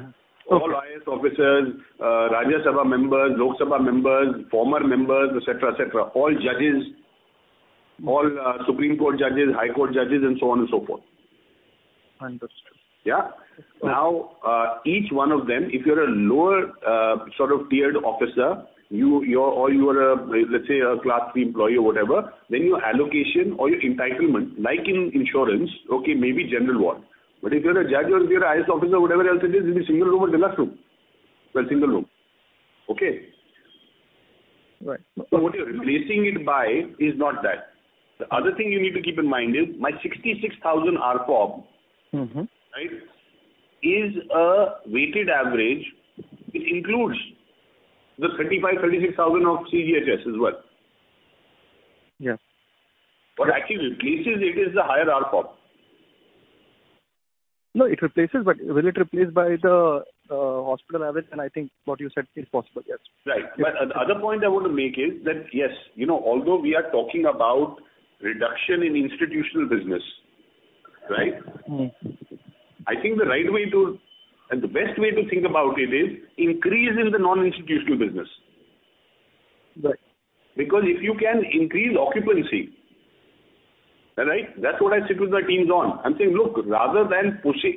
Mm-hmm. All IAS officers, Rajya Sabha members, Lok Sabha members, former members, et cetera, et cetera. All judges, Supreme Court judges, High Court judges, and so on and so forth. Understood. Yeah. Now, each one of them, if you're a lower sort of tiered officer, or you're, let's say, a Class III employee or whatever, then your allocation or your entitlement, like in insurance, okay, maybe general ward. If you're a judge or if you're an IAS officer or whatever else it is, it'll be single room or deluxe room. Well, single room. Okay? Right. What you're replacing it by is not that. The other thing you need to keep in mind is my 66,000 ARPOB. Mm-hmm. Right, is a weighted average. It includes the 35,000-36,000 of CGHS as well. Yeah. What actually replaces it is the higher ARPOB. No, it replaces, but will it replace by the hospital average? I think what you said is possible, yes. Right. Another point I want to make is that, yes, you know, although we are talking about reduction in institutional business, right? Mm-hmm. I think the right way to and the best way to think about it is increase in the non-institutional business. Right. Because if you can increase occupancy, all right? That's what I sit with my teams on. I'm saying, look, rather than pushing,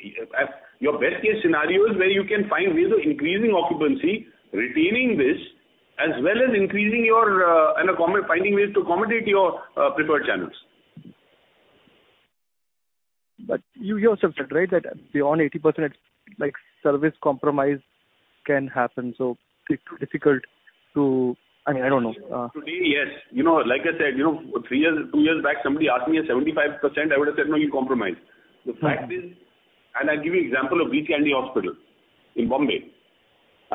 your best case scenario is where you can find ways of increasing occupancy, retaining this, as well as increasing your and finding ways to accommodate your preferred channels. You yourself said, right, that beyond 80%, it's like service compromise can happen, so it's too difficult. I mean, I don't know. Today, yes. You know, like I said, you know, three years or two years back, somebody asked me at 75%, I would have said, "No, you'll compromise." The fact is, I'll give you example of Breach Candy Hospital in Mumbai.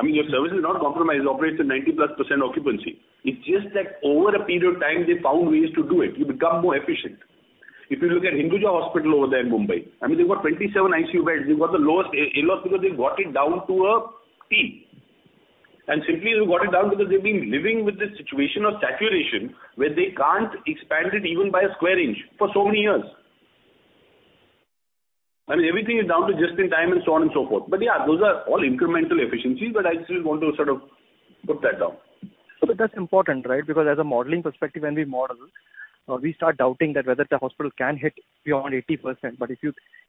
I mean, your service is not compromised. It operates at 90%+ occupancy. It's just that over a period of time, they found ways to do it. You become more efficient. If you look at P. D. Hinduja National Hospital & Medical Research Centre over there in Mumbai, I mean, they've got 27 ICU beds. They've got the lowest ALOS because they've got it down to a T. Simply, they got it down because they've been living with this situation of saturation where they can't expand it even by a square inch for so many years. I mean, everything is down to just in time and so on and so forth. Yeah, those are all incremental efficiencies, but I still want to sort of put that down. That's important, right? Because from a modeling perspective, when we model, we start doubting whether the hospital can hit beyond 80%.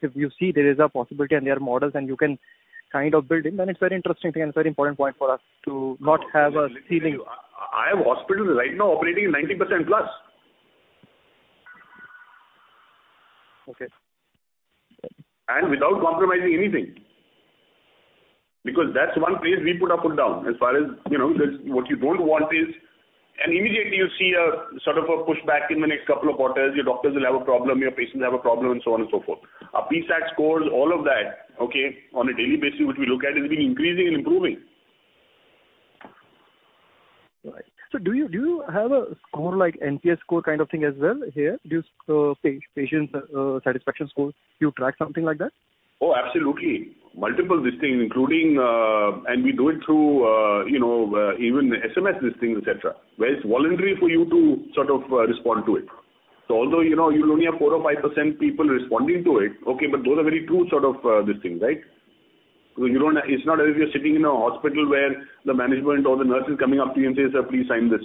If you see there is a possibility and there are models and you can kind of build in, then it's very interesting thing and very important point for us to not have a ceiling. I have hospitals right now operating in 90%+. Okay. Without compromising anything. Because that's one place we put our foot down as far as, you know, that's what you don't want is. Immediately you see a sort of a pushback in the next couple of quarters. Your doctors will have a problem, your patients have a problem, and so on and so forth. Our PSAT scores, all of that, okay, on a daily basis, which we look at, has been increasing and improving. Right. Do you have a score like NPS score kind of thing as well here? Do you patient satisfaction scores, do you track something like that? Oh, absolutely. Multiple this thing, including, and we do it through, you know, even SMS this thing, et cetera, where it's voluntary for you to sort of respond to it. Although, you know, you'll only have 4% or 5% people responding to it, okay, but those are very true sort of this thing, right? It's not as if you're sitting in a hospital where the management or the nurse is coming up to you and says, "Sir, please sign this.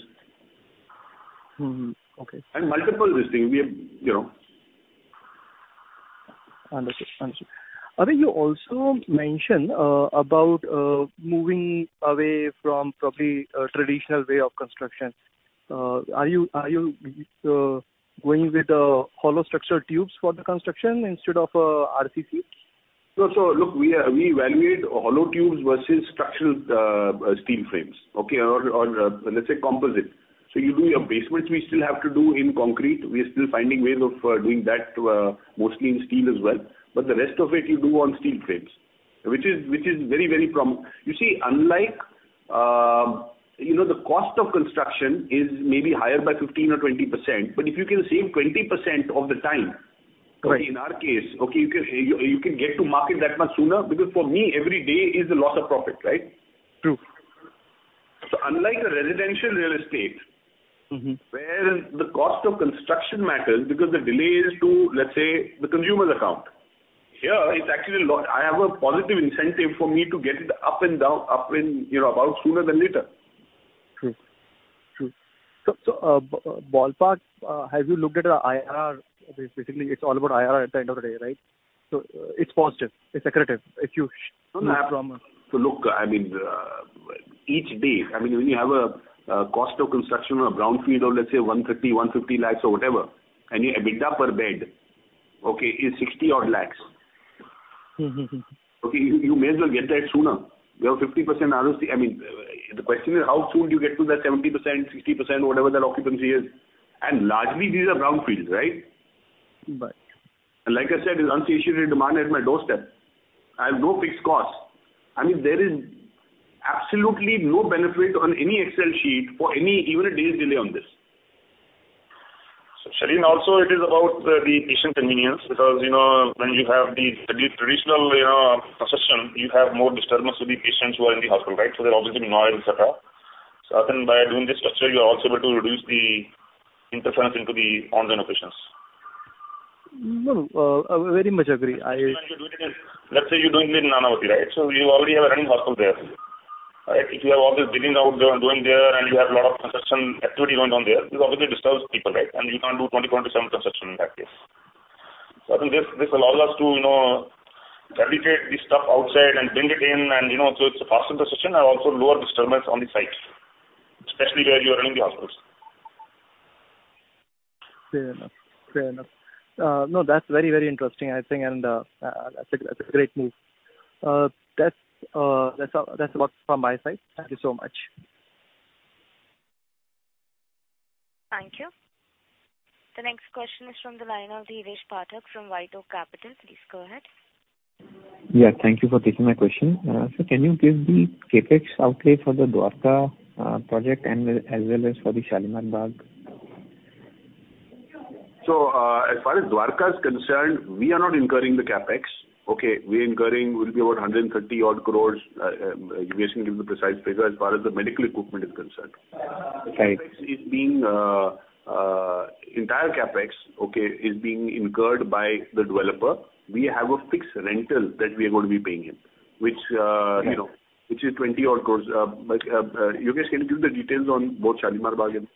Okay. Multiple this thing. We have, you know. Understood. I think you also mentioned about moving away from probably a traditional way of construction. Are you going with hollow structure tubes for the construction instead of RCC? Look, we evaluate hollow tubes versus structural steel frames, okay, or let's say composite. You do your basements; we still have to do in concrete. We are still finding ways of doing that too, mostly in steel as well. The rest of it you do on steel frames, which is very promising. You see, unlike, you know, the cost of construction is maybe higher by 15% or 20%, but if you can save 20% of the time. Right. In our case, okay, you can get to market that much sooner because for me, every day is a loss of profit, right? True. Unlike a residential real estate. Mm-hmm. where the cost of construction matters because the delay is to, let's say, the consumer's account. Here, it's actually. I have a positive incentive for me to get it up and running sooner rather than later, you know. True. Ballpark, have you looked at the IRR? Basically, it's all about IRR at the end of the day, right? It's positive, it's accretive if you- Look, I mean, each bed, I mean, when you have a cost of construction or a brownfield of, let's say, 150 lakhs or whatever, and your EBITDA per bed, okay, is 60 odd lakhs. Mm-hmm. Okay? You may as well get that sooner. You have 50% ROCE. I mean, the question is, how soon do you get to that 70%, 60%, whatever that occupancy is? Largely, these are brownfields, right? Right. Like I said, it's unsaturated demand at my doorstep. I have no fixed costs. I mean, there is absolutely no benefit on any Excel sheet for any, even a day's delay on this. Shaleen, also it is about the patient convenience because, you know, when you have the traditional, you know, construction, you have more disturbance to the patients who are in the hospital, right? So they're obviously annoyed, et cetera. So I think by doing this structure, you're also able to reduce the interference into the ongoing patients. No, I very much agree. When you're doing it. Let's say you're doing it in Nanavati, right? You already have a running hospital there, right? If you have all this digging out going there, and you have a lot of construction activity going on there, this obviously disturbs people, right? You can't do 24/7 construction in that case. I think this allows us to, you know, fabricate the stuff outside and bring it in and, you know, so it's a faster construction and also lower disturbance on the site, especially where you are running the hospitals. Fair enough. No, that's very, very interesting, I think, and that's a great move. That's all from my side. Thank you so much. Thank you. The next question is from the line of Dheeresh Pathak from White Oak Capital. Please go ahead. Yeah, thank you for taking my question. Sir, can you give the CapEx outlay for the Dwarka project and as well as for the Shalimar Bagh? As far as Dwarka is concerned, we are not incurring the CapEx, okay? It will be about 130-odd crore. Yogesh can give the precise figure as far as the medical equipment is concerned. Right. The entire CapEx is being incurred by the developer. We have a fixed rental that we are going to be paying him, which Right. You know, which is 20-odd crore. Yogesh can give the details on both Shalimar Bagh and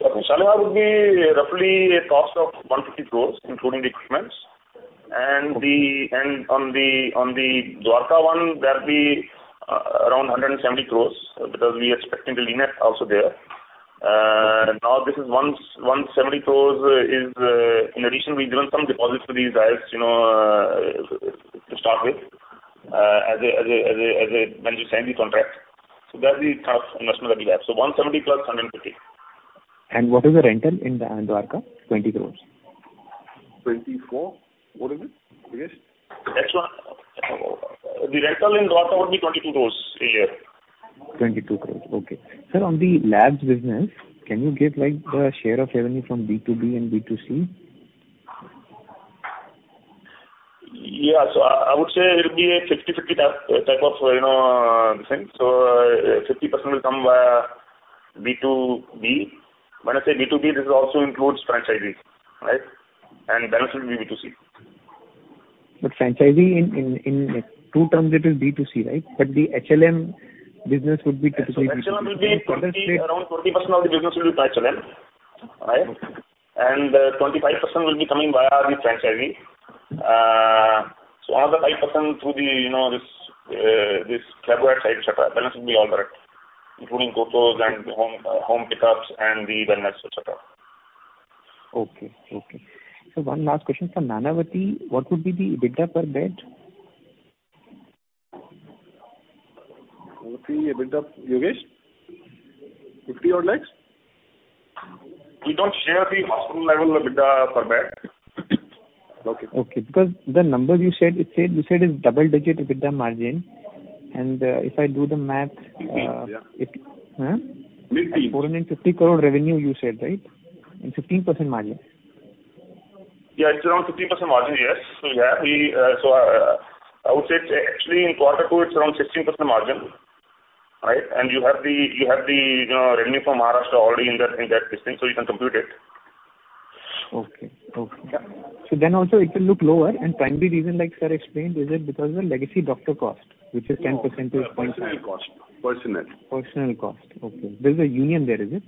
Shalimar would be roughly a cost of 150 crores, including the equipment. On the Dwarka one, that'll be around 170 crores, because we are expecting the LINAC also there. Now, this 170 crores is in addition, we've given some deposits to these guys, you know, to start with, advance when you sign the contract. That's the total investment that we have. 170 crores plus 150 crores. What is the rental in Dwarka? 20 crore. 2024. What is it, Yogesh? That's what. The rental in Dwarka would be 22 crores a year. 22 crore. Okay. Sir, on the labs business, can you give like the share of revenue from B2B and B2C? Yeah. I would say it will be a 50/50 type of, you know, thing. 50% will come via B2B. When I say B2B, this also includes franchisees, right? Balance will be B2C. Franchisee in true terms it is B2C, right? The HLM business would be typically B2B. HLM will be 40%, around 40% of the business will be through HLM, right? Okay. 25% will be coming via the franchisee. Another 5% through the, you know, this Lab Outside side, et cetera. Balance will be all direct, including couriers and home pickups and the wellness, et cetera. Okay. One last question, for Nanavati, what would be the EBITDA per bed? What would be EBITDA, Yogesh? INR 50 odd lakhs. We don't share the hospital level EBITDA per bed. Okay. Because the numbers you said is double-digit EBITDA margin. If I do the math- 15. Yeah. Huh? Mid-teen. 450 crore revenue you said, right? 15% margin. It's around 15% margin. Yes. I would say it's actually in quarter two, it's around 16% margin, right? You have the, you know, revenue from Maharashtra already in that listing, so you can compute it. Okay. Yeah. also it will look lower. Primary reason, like sir explained, is because of the legacy doctor cost, which is 10%-0.5%. No, personnel cost. Personnel. Personnel cost. Okay. There's a union there, is it?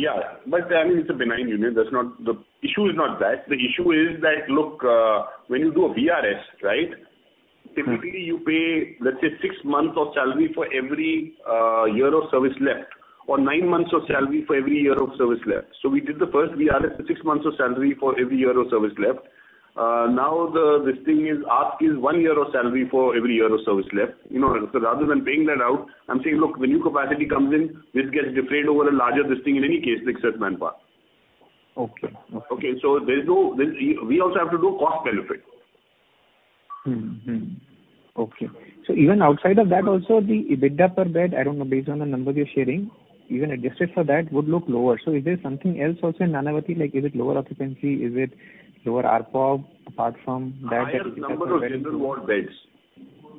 Yeah. I mean, it's a benign union. That's not the issue. The issue is not that. The issue is that, look, when you do a VRS, right- Mm-hmm. Typically you pay, let's say six months of salary for every year of service left, or nine months of salary for every year of service left. We did the first VRS for six months of salary for every year of service left. Now the ask is one year of salary for every year of service left, you know. Rather than paying that out, I'm saying, "Look, when new capacity comes in, this gets defrayed over a larger this thing in any case, excess manpower. Okay. Okay. We also have to do cost benefit. Even outside of that also the EBITDA per bed, I don't know, based on the numbers you're sharing, even adjusted for that would look lower. Is there something else also in Nanavati? Like, is it lower occupancy? Is it lower ARPO, apart from that? Higher number of general ward beds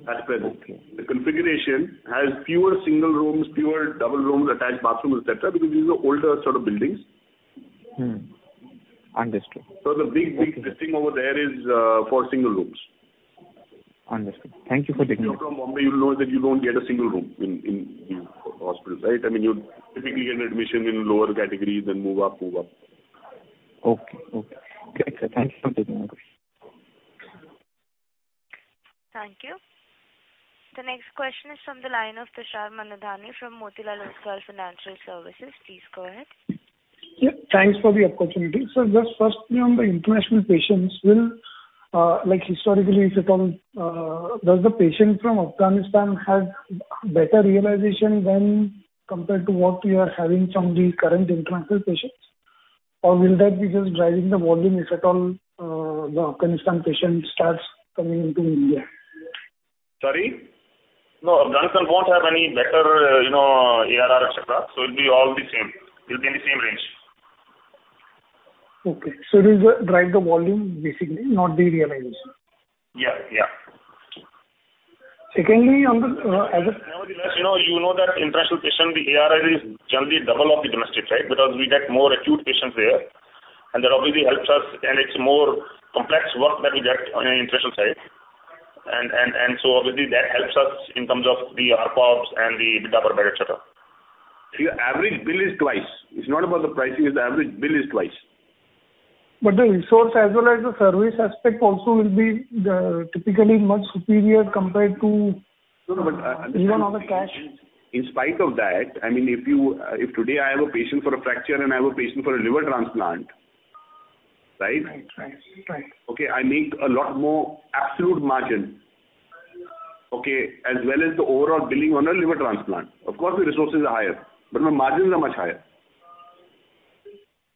as per this. Okay. The configuration has fewer single rooms, fewer double rooms, attached bathroom, et cetera, because these are older sort of buildings. Mm-hmm. Understood. The big, big listing over there is for single rooms. Understood. Thank you for the detail. If you're from Mumbai, you'll know that you don't get a single room in the hospitals, right? I mean, you'll typically get an admission in lower category than move up. Okay, sir. Thank you for taking my question. Thank you. The next question is from the line of Tushar Manudhane from Motilal Oswal Financial Services. Please go ahead. Yeah, thanks for the opportunity. Just firstly, on the international patients, will, like historically, if at all, does the patient from Afghanistan have better realization when compared to what you are having from the current international patients? Or will that be just driving the volume if at all, the Afghanistan patient starts coming into India? Sorry? No, ARPOB and ALOS haven't been any better, you know, ARR, et cetera. It'll be all the same. It'll be in the same range. Okay. Drive the volume basically, not the realization. Yeah. Yeah. Secondly, on the Nevertheless, you know, you know that international patient, the ARR is generally double of the domestic, right? Because we get more acute patients there, and that obviously helps us, and it's more complex work that we get on an international side. Obviously that helps us in terms of the ARPOBs and the ARPOB, et cetera. Your average bill is twice. It's not about the pricing, it's the average bill is twice. The resource as well as the service aspect also will be typically much superior compared to. No, no, but I. Even on the cash. In spite of that, I mean, if you, if today I have a patient for a fracture and I have a patient for a liver transplant, right? Right. I make a lot more absolute margin, okay, as well as the overall billing on a liver transplant. Of course, the resources are higher, but my margins are much higher.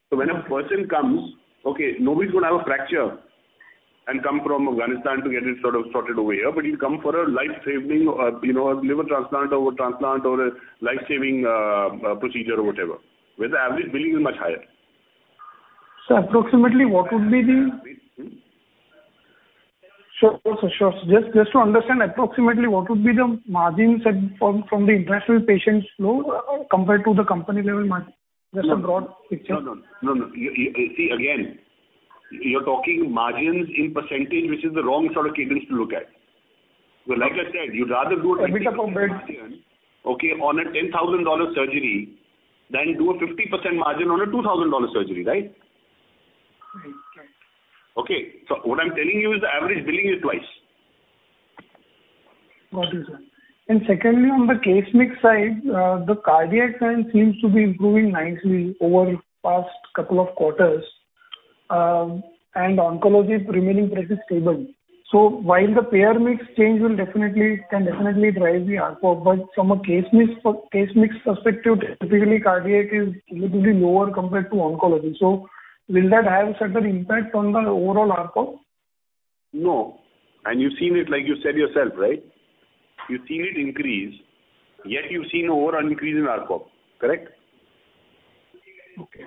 When a person comes, okay, nobody's gonna have a fracture and come from Afghanistan to get it sort of sorted over here, but he'll come for a life-saving, you know, a liver transplant or a transplant or a life-saving procedure or whatever, where the average billing is much higher. Approximately what would be the- Mm-hmm. Sure. Just to understand approximately what would be the margins from the international patients flow compared to the company level mar- No. Just a broad picture. No. You see again, you're talking margins in percentage, which is the wrong sort of cadence to look at. Like I said, you'd rather do a. A bit up on bed. Okay, on a $10,000 dollar surgery than do a 50% margin on a $2,000 dollar surgery, right? Right. Right. Okay. What I'm telling you is the average billing is twice. Got you, sir. Secondly, on the case mix side, the cardiac side seems to be improving nicely over past couple of quarters, and oncology remaining pretty stable. While the payer mix change can definitely drive the ARPOB, but from a case mix perspective, typically cardiac is relatively lower compared to oncology. Will that have a certain impact on the overall ARPOB? No. You've seen it like you said yourself, right? You've seen it increase, yet you've seen overall increase in ARPOB, correct? Okay.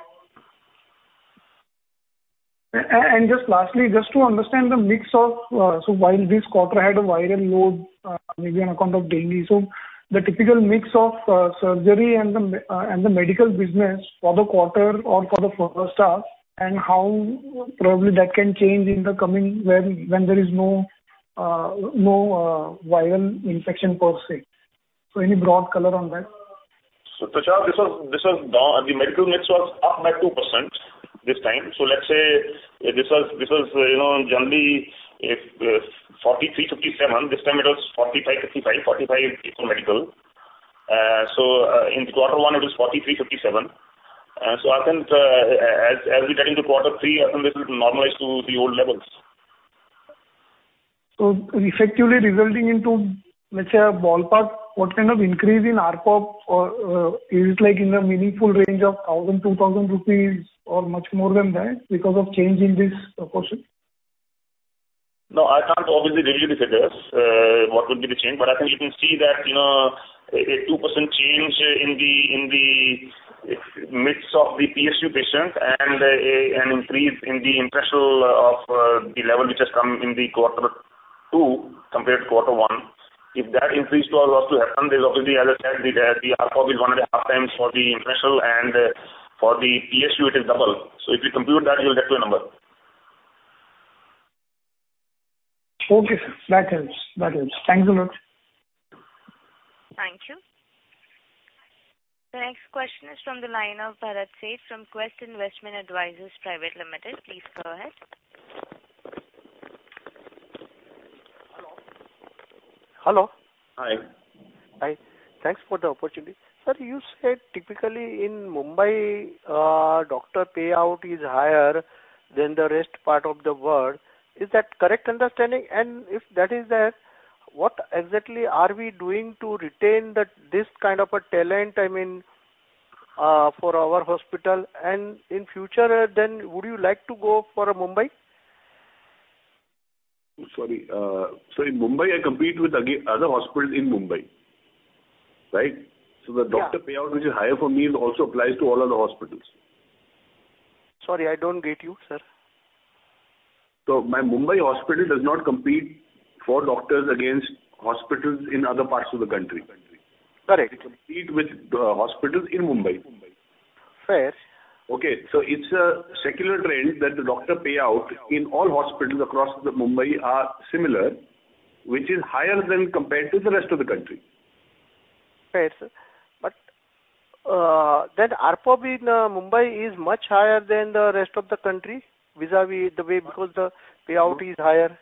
And just lastly, just to understand the mix of, so while this quarter had a viral load, maybe on account of dengue. The typical mix of surgery and the medical business for the quarter or for the first half, and how probably that can change in the coming when there is no viral infection per se. Any broad color on that? Tushar, this was down. The medical mix was up by 2% this time. Let's say this was, you know, generally a 43-57. This time it was 45-55. 45 is for medical. In quarter one it was 43-57. I think, as we get into quarter three, I think this will normalize to the old levels. Effectively resulting into, let's say a ballpark, what kind of increase in ARPOB or is it like in the meaningful range of 1,000, 2,000 rupees or much more than that because of change in this proportion? No, I can't obviously give you the figures, what would be the change, but I think you can see that, you know, a 2% change in the mix of the PSU patients and an increase in the international of the level which has come in the quarter two compared to quarter one. If that increase was to happen, there's obviously, as I said, the ARPOB is 1.5x For the international and for the PSU it is double. If you compute that, you'll get to a number. Okay, sir. That helps. That helps. Thanks a lot. Thank you. The next question is from the line of Bharat Sheth from Quest Investment Advisors Private Limited. Please go ahead. Hello? Hello. Hi. Hi. Thanks for the opportunity. Sir, you said typically in Mumbai, doctor payout is higher than the rest of the world. Is that correct understanding? If that is there, what exactly are we doing to retain this kind of a talent, I mean, for our hospital? In future then would you like to go for a Mumbai? Sorry. In Mumbai I compete with again other hospitals in Mumbai, right? Yeah. The doctor payout which is higher for me also applies to all other hospitals. Sorry, I don't get you, sir. My Mumbai hospital does not compete for doctors against hospitals in other parts of the country. Correct. It competes with the hospitals in Mumbai. Fair. It's a secular trend that the doctor payout in all hospitals across Mumbai are similar, which is higher compared to the rest of the country. Fair, sir. Then ARPOB in Mumbai is much higher than the rest of the country vis-à-vis the way because the payout is higher.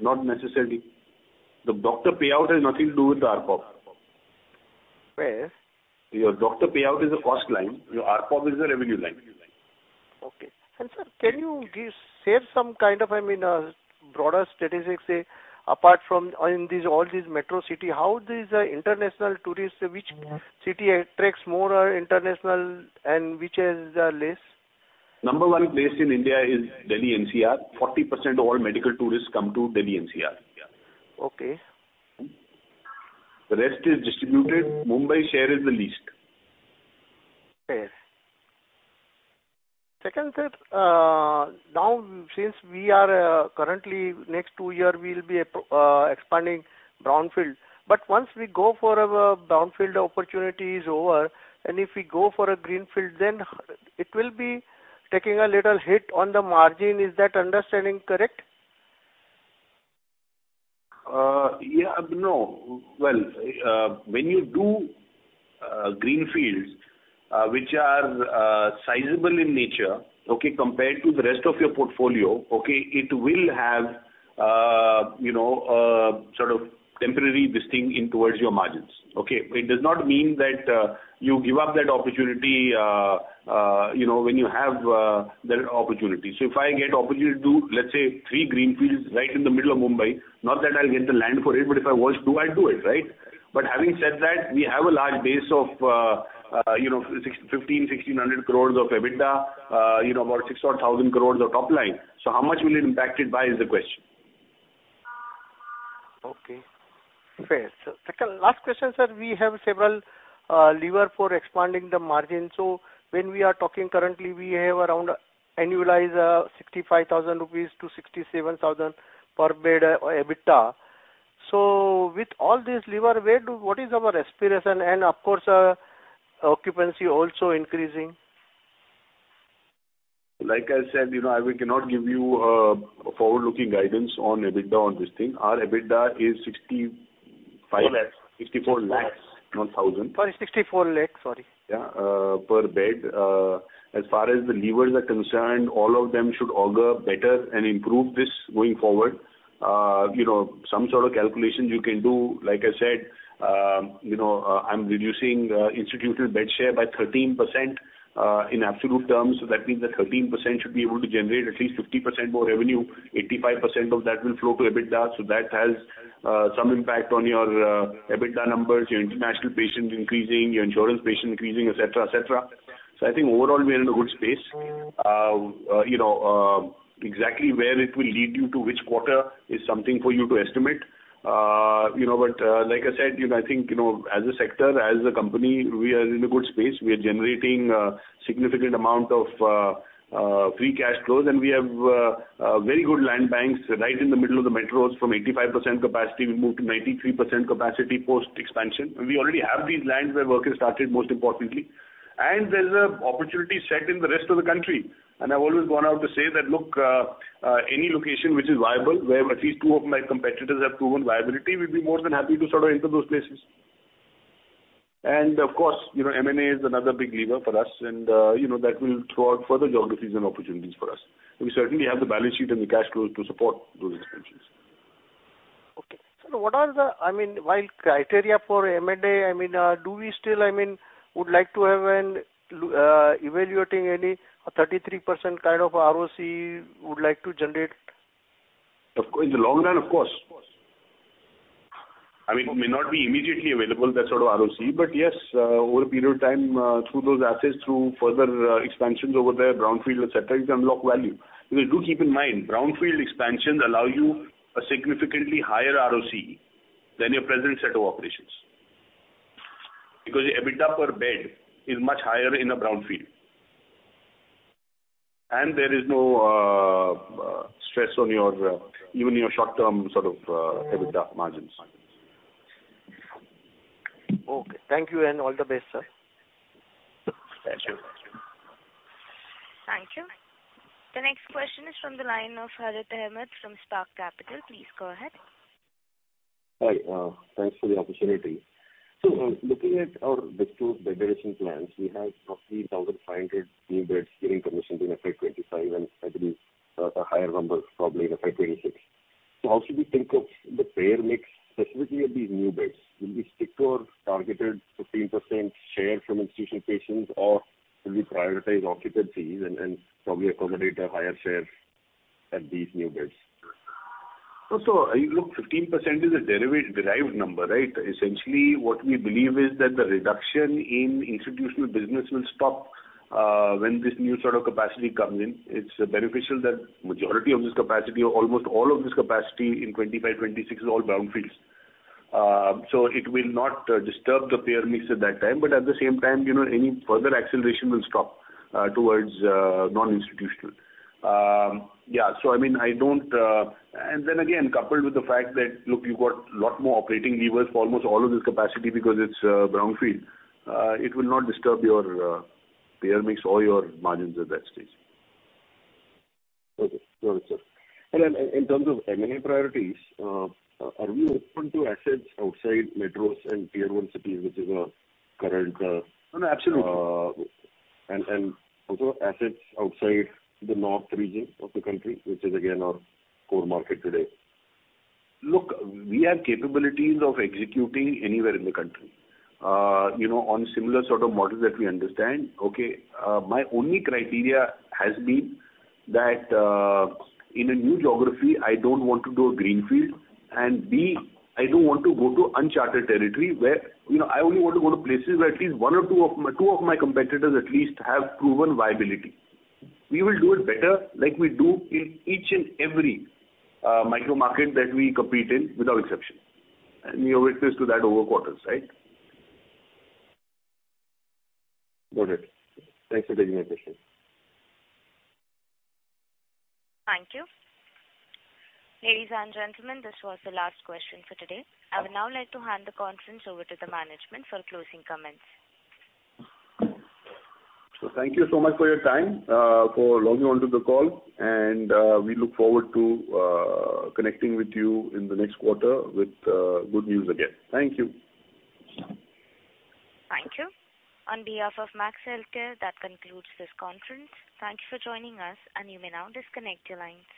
Not necessarily. The doctor payout has nothing to do with ARPOB. Fair. Your doctor payout is a cost line, your ARPOB is a revenue line. Okay. Sir, can you give, share some kind of, I mean, broader statistics apart from in these, all these metro city, how these international tourists, which city attracts more international and which has less? Number one place in India is Delhi NCR. 40% of all medical tourists come to Delhi NCR. Okay. The rest is distributed. Mumbai share is the least. Fair. Second, sir, now, since we are currently in the next two years, we'll be expanding brownfield. Once our brownfield opportunity is over, and if we go for a greenfield, then it will be taking a little hit on the margin. Is that understanding correct? When you do greenfields, which are sizable in nature, okay, compared to the rest of your portfolio, okay, it will have, you know, a sort of temporary dint in towards your margins. Okay. It does not mean that you give up that opportunity, you know, when you have the opportunity. If I get opportunity to do, let's say, three greenfields right in the middle of Mumbai, not that I'll get the land for it, but if I was to, I'd do it, right? Having said that, we have a large base of, you know, 615-1,600 crores of EBITDA, you know, about 6,000 crores of top line. How much will it be impacted by is the question. Okay. Fair. Second, last question, sir. We have several levers for expanding the margin. When we are talking currently, we have around annualized 65,000-67,000 rupees per bed EBITDA. With all this lever, what is our aspiration? Of course, occupancy also increasing. Like I said, you know, we cannot give you forward-looking guidance on EBITDA on this thing. Our EBITDA is 65- Lakhs. INR 64 lakh. Lakhs. Not thousand. Sorry, INR 64 lakh, sorry. Yeah, per bed. As far as the levers are concerned, all of them should augur better and improve this going forward. You know, some sort of calculations you can do. Like I said, you know, I'm reducing institutional bed share by 13% in absolute terms. That means that 13% should be able to generate at least 50% more revenue. 85% of that will flow to EBITDA. That has some impact on your EBITDA numbers, your international patients increasing, your insurance patients increasing, et cetera, et cetera. I think overall, we are in a good space. You know, exactly where it will lead you to which quarter is something for you to estimate. You know, but, like I said, you know, I think, you know, as a sector, as a company, we are in a good space. We are generating significant amount of free cash flows. We have very good land banks right in the middle of the metros from 85% capacity will move to 93% capacity post-expansion. We already have these lands where work has started, most importantly. There's an opportunity set in the rest of the country. I've always gone out to say that, look, any location which is viable, where at least two of my competitors have proven viability, we'll be more than happy to sort of enter those places. Of course, you know, M&A is another big lever for us. you know, that will throw out further geographies and opportunities for us. We certainly have the balance sheet and the cash flows to support those expansions. Okay. What are the criteria for M&A? I mean, do we still, I mean, would like to have an evaluating any 33% kind of ROCE would like to generate? Of course. In the long run, of course. I mean, it may not be immediately available, that sort of ROCE, but yes, over a period of time, through those assets, through further expansions over there, brownfield, et cetera, it can unlock value. Because do keep in mind, brownfield expansions allow you a significantly higher ROCE than your present set of operations. Because your EBITDA per bed is much higher in a brownfield. There is no stress on your, even short-term sort of EBITDA margins. Okay. Thank you and all the best, sir. Thank you. Thank you. The next question is from the line of Harith Ahamed from Spark Capital. Please go ahead. Hi. Thanks for the opportunity. Looking at our 2022 bed addition plans, we have roughly 1,500 new beds getting commissioned in FY 2025, and I believe a higher number probably in FY 2026. How should we think of the payer mix, specifically of these new beds? Will we stick to our targeted 15% share from institutional patients, or will we prioritize occupancies and probably accommodate a higher share at these new beds? Look, 15% is a derived number, right? Essentially, what we believe is that the reduction in institutional business will stop when this new sort of capacity comes in. It's beneficial that majority of this capacity or almost all of this capacity in 2025, 2026 is all brownfields. So it will not disturb the payer mix at that time, but at the same time, you know, any further acceleration will stop towards non-institutional. I mean, I don't. Then again, coupled with the fact that, look, you've got a lot more operating levers for almost all of this capacity because it's brownfield, it will not disturb your payer mix or your margins at that stage. Okay. Got it, sir. Then in terms of M&A priorities, are we open to assets outside metros and Tier one cities, which is our current, No, absolutely. Also assets outside the north region of the country, which is again our core market today. Look, we have capabilities of executing anywhere in the country, you know, on similar sort of models that we understand, okay. My only criteria has been that, in a new geography, I don't want to do a greenfield, and B, I don't want to go to uncharted territory where, you know, I only want to go to places where at least one or two of my competitors at least have proven viability. We will do it better like we do in each and every micro market that we compete in without exception. You have witnessed to that over quarters, right? Got it. Thanks for taking my question. Thank you. Ladies and gentlemen, this was the last question for today. I would now like to hand the conference over to the management for closing comments. Thank you so much for your time, for logging on to the call, and we look forward to connecting with you in the next quarter with good news again. Thank you. Thank you. On behalf of Max Healthcare, that concludes this conference. Thank you for joining us, and you may now disconnect your lines.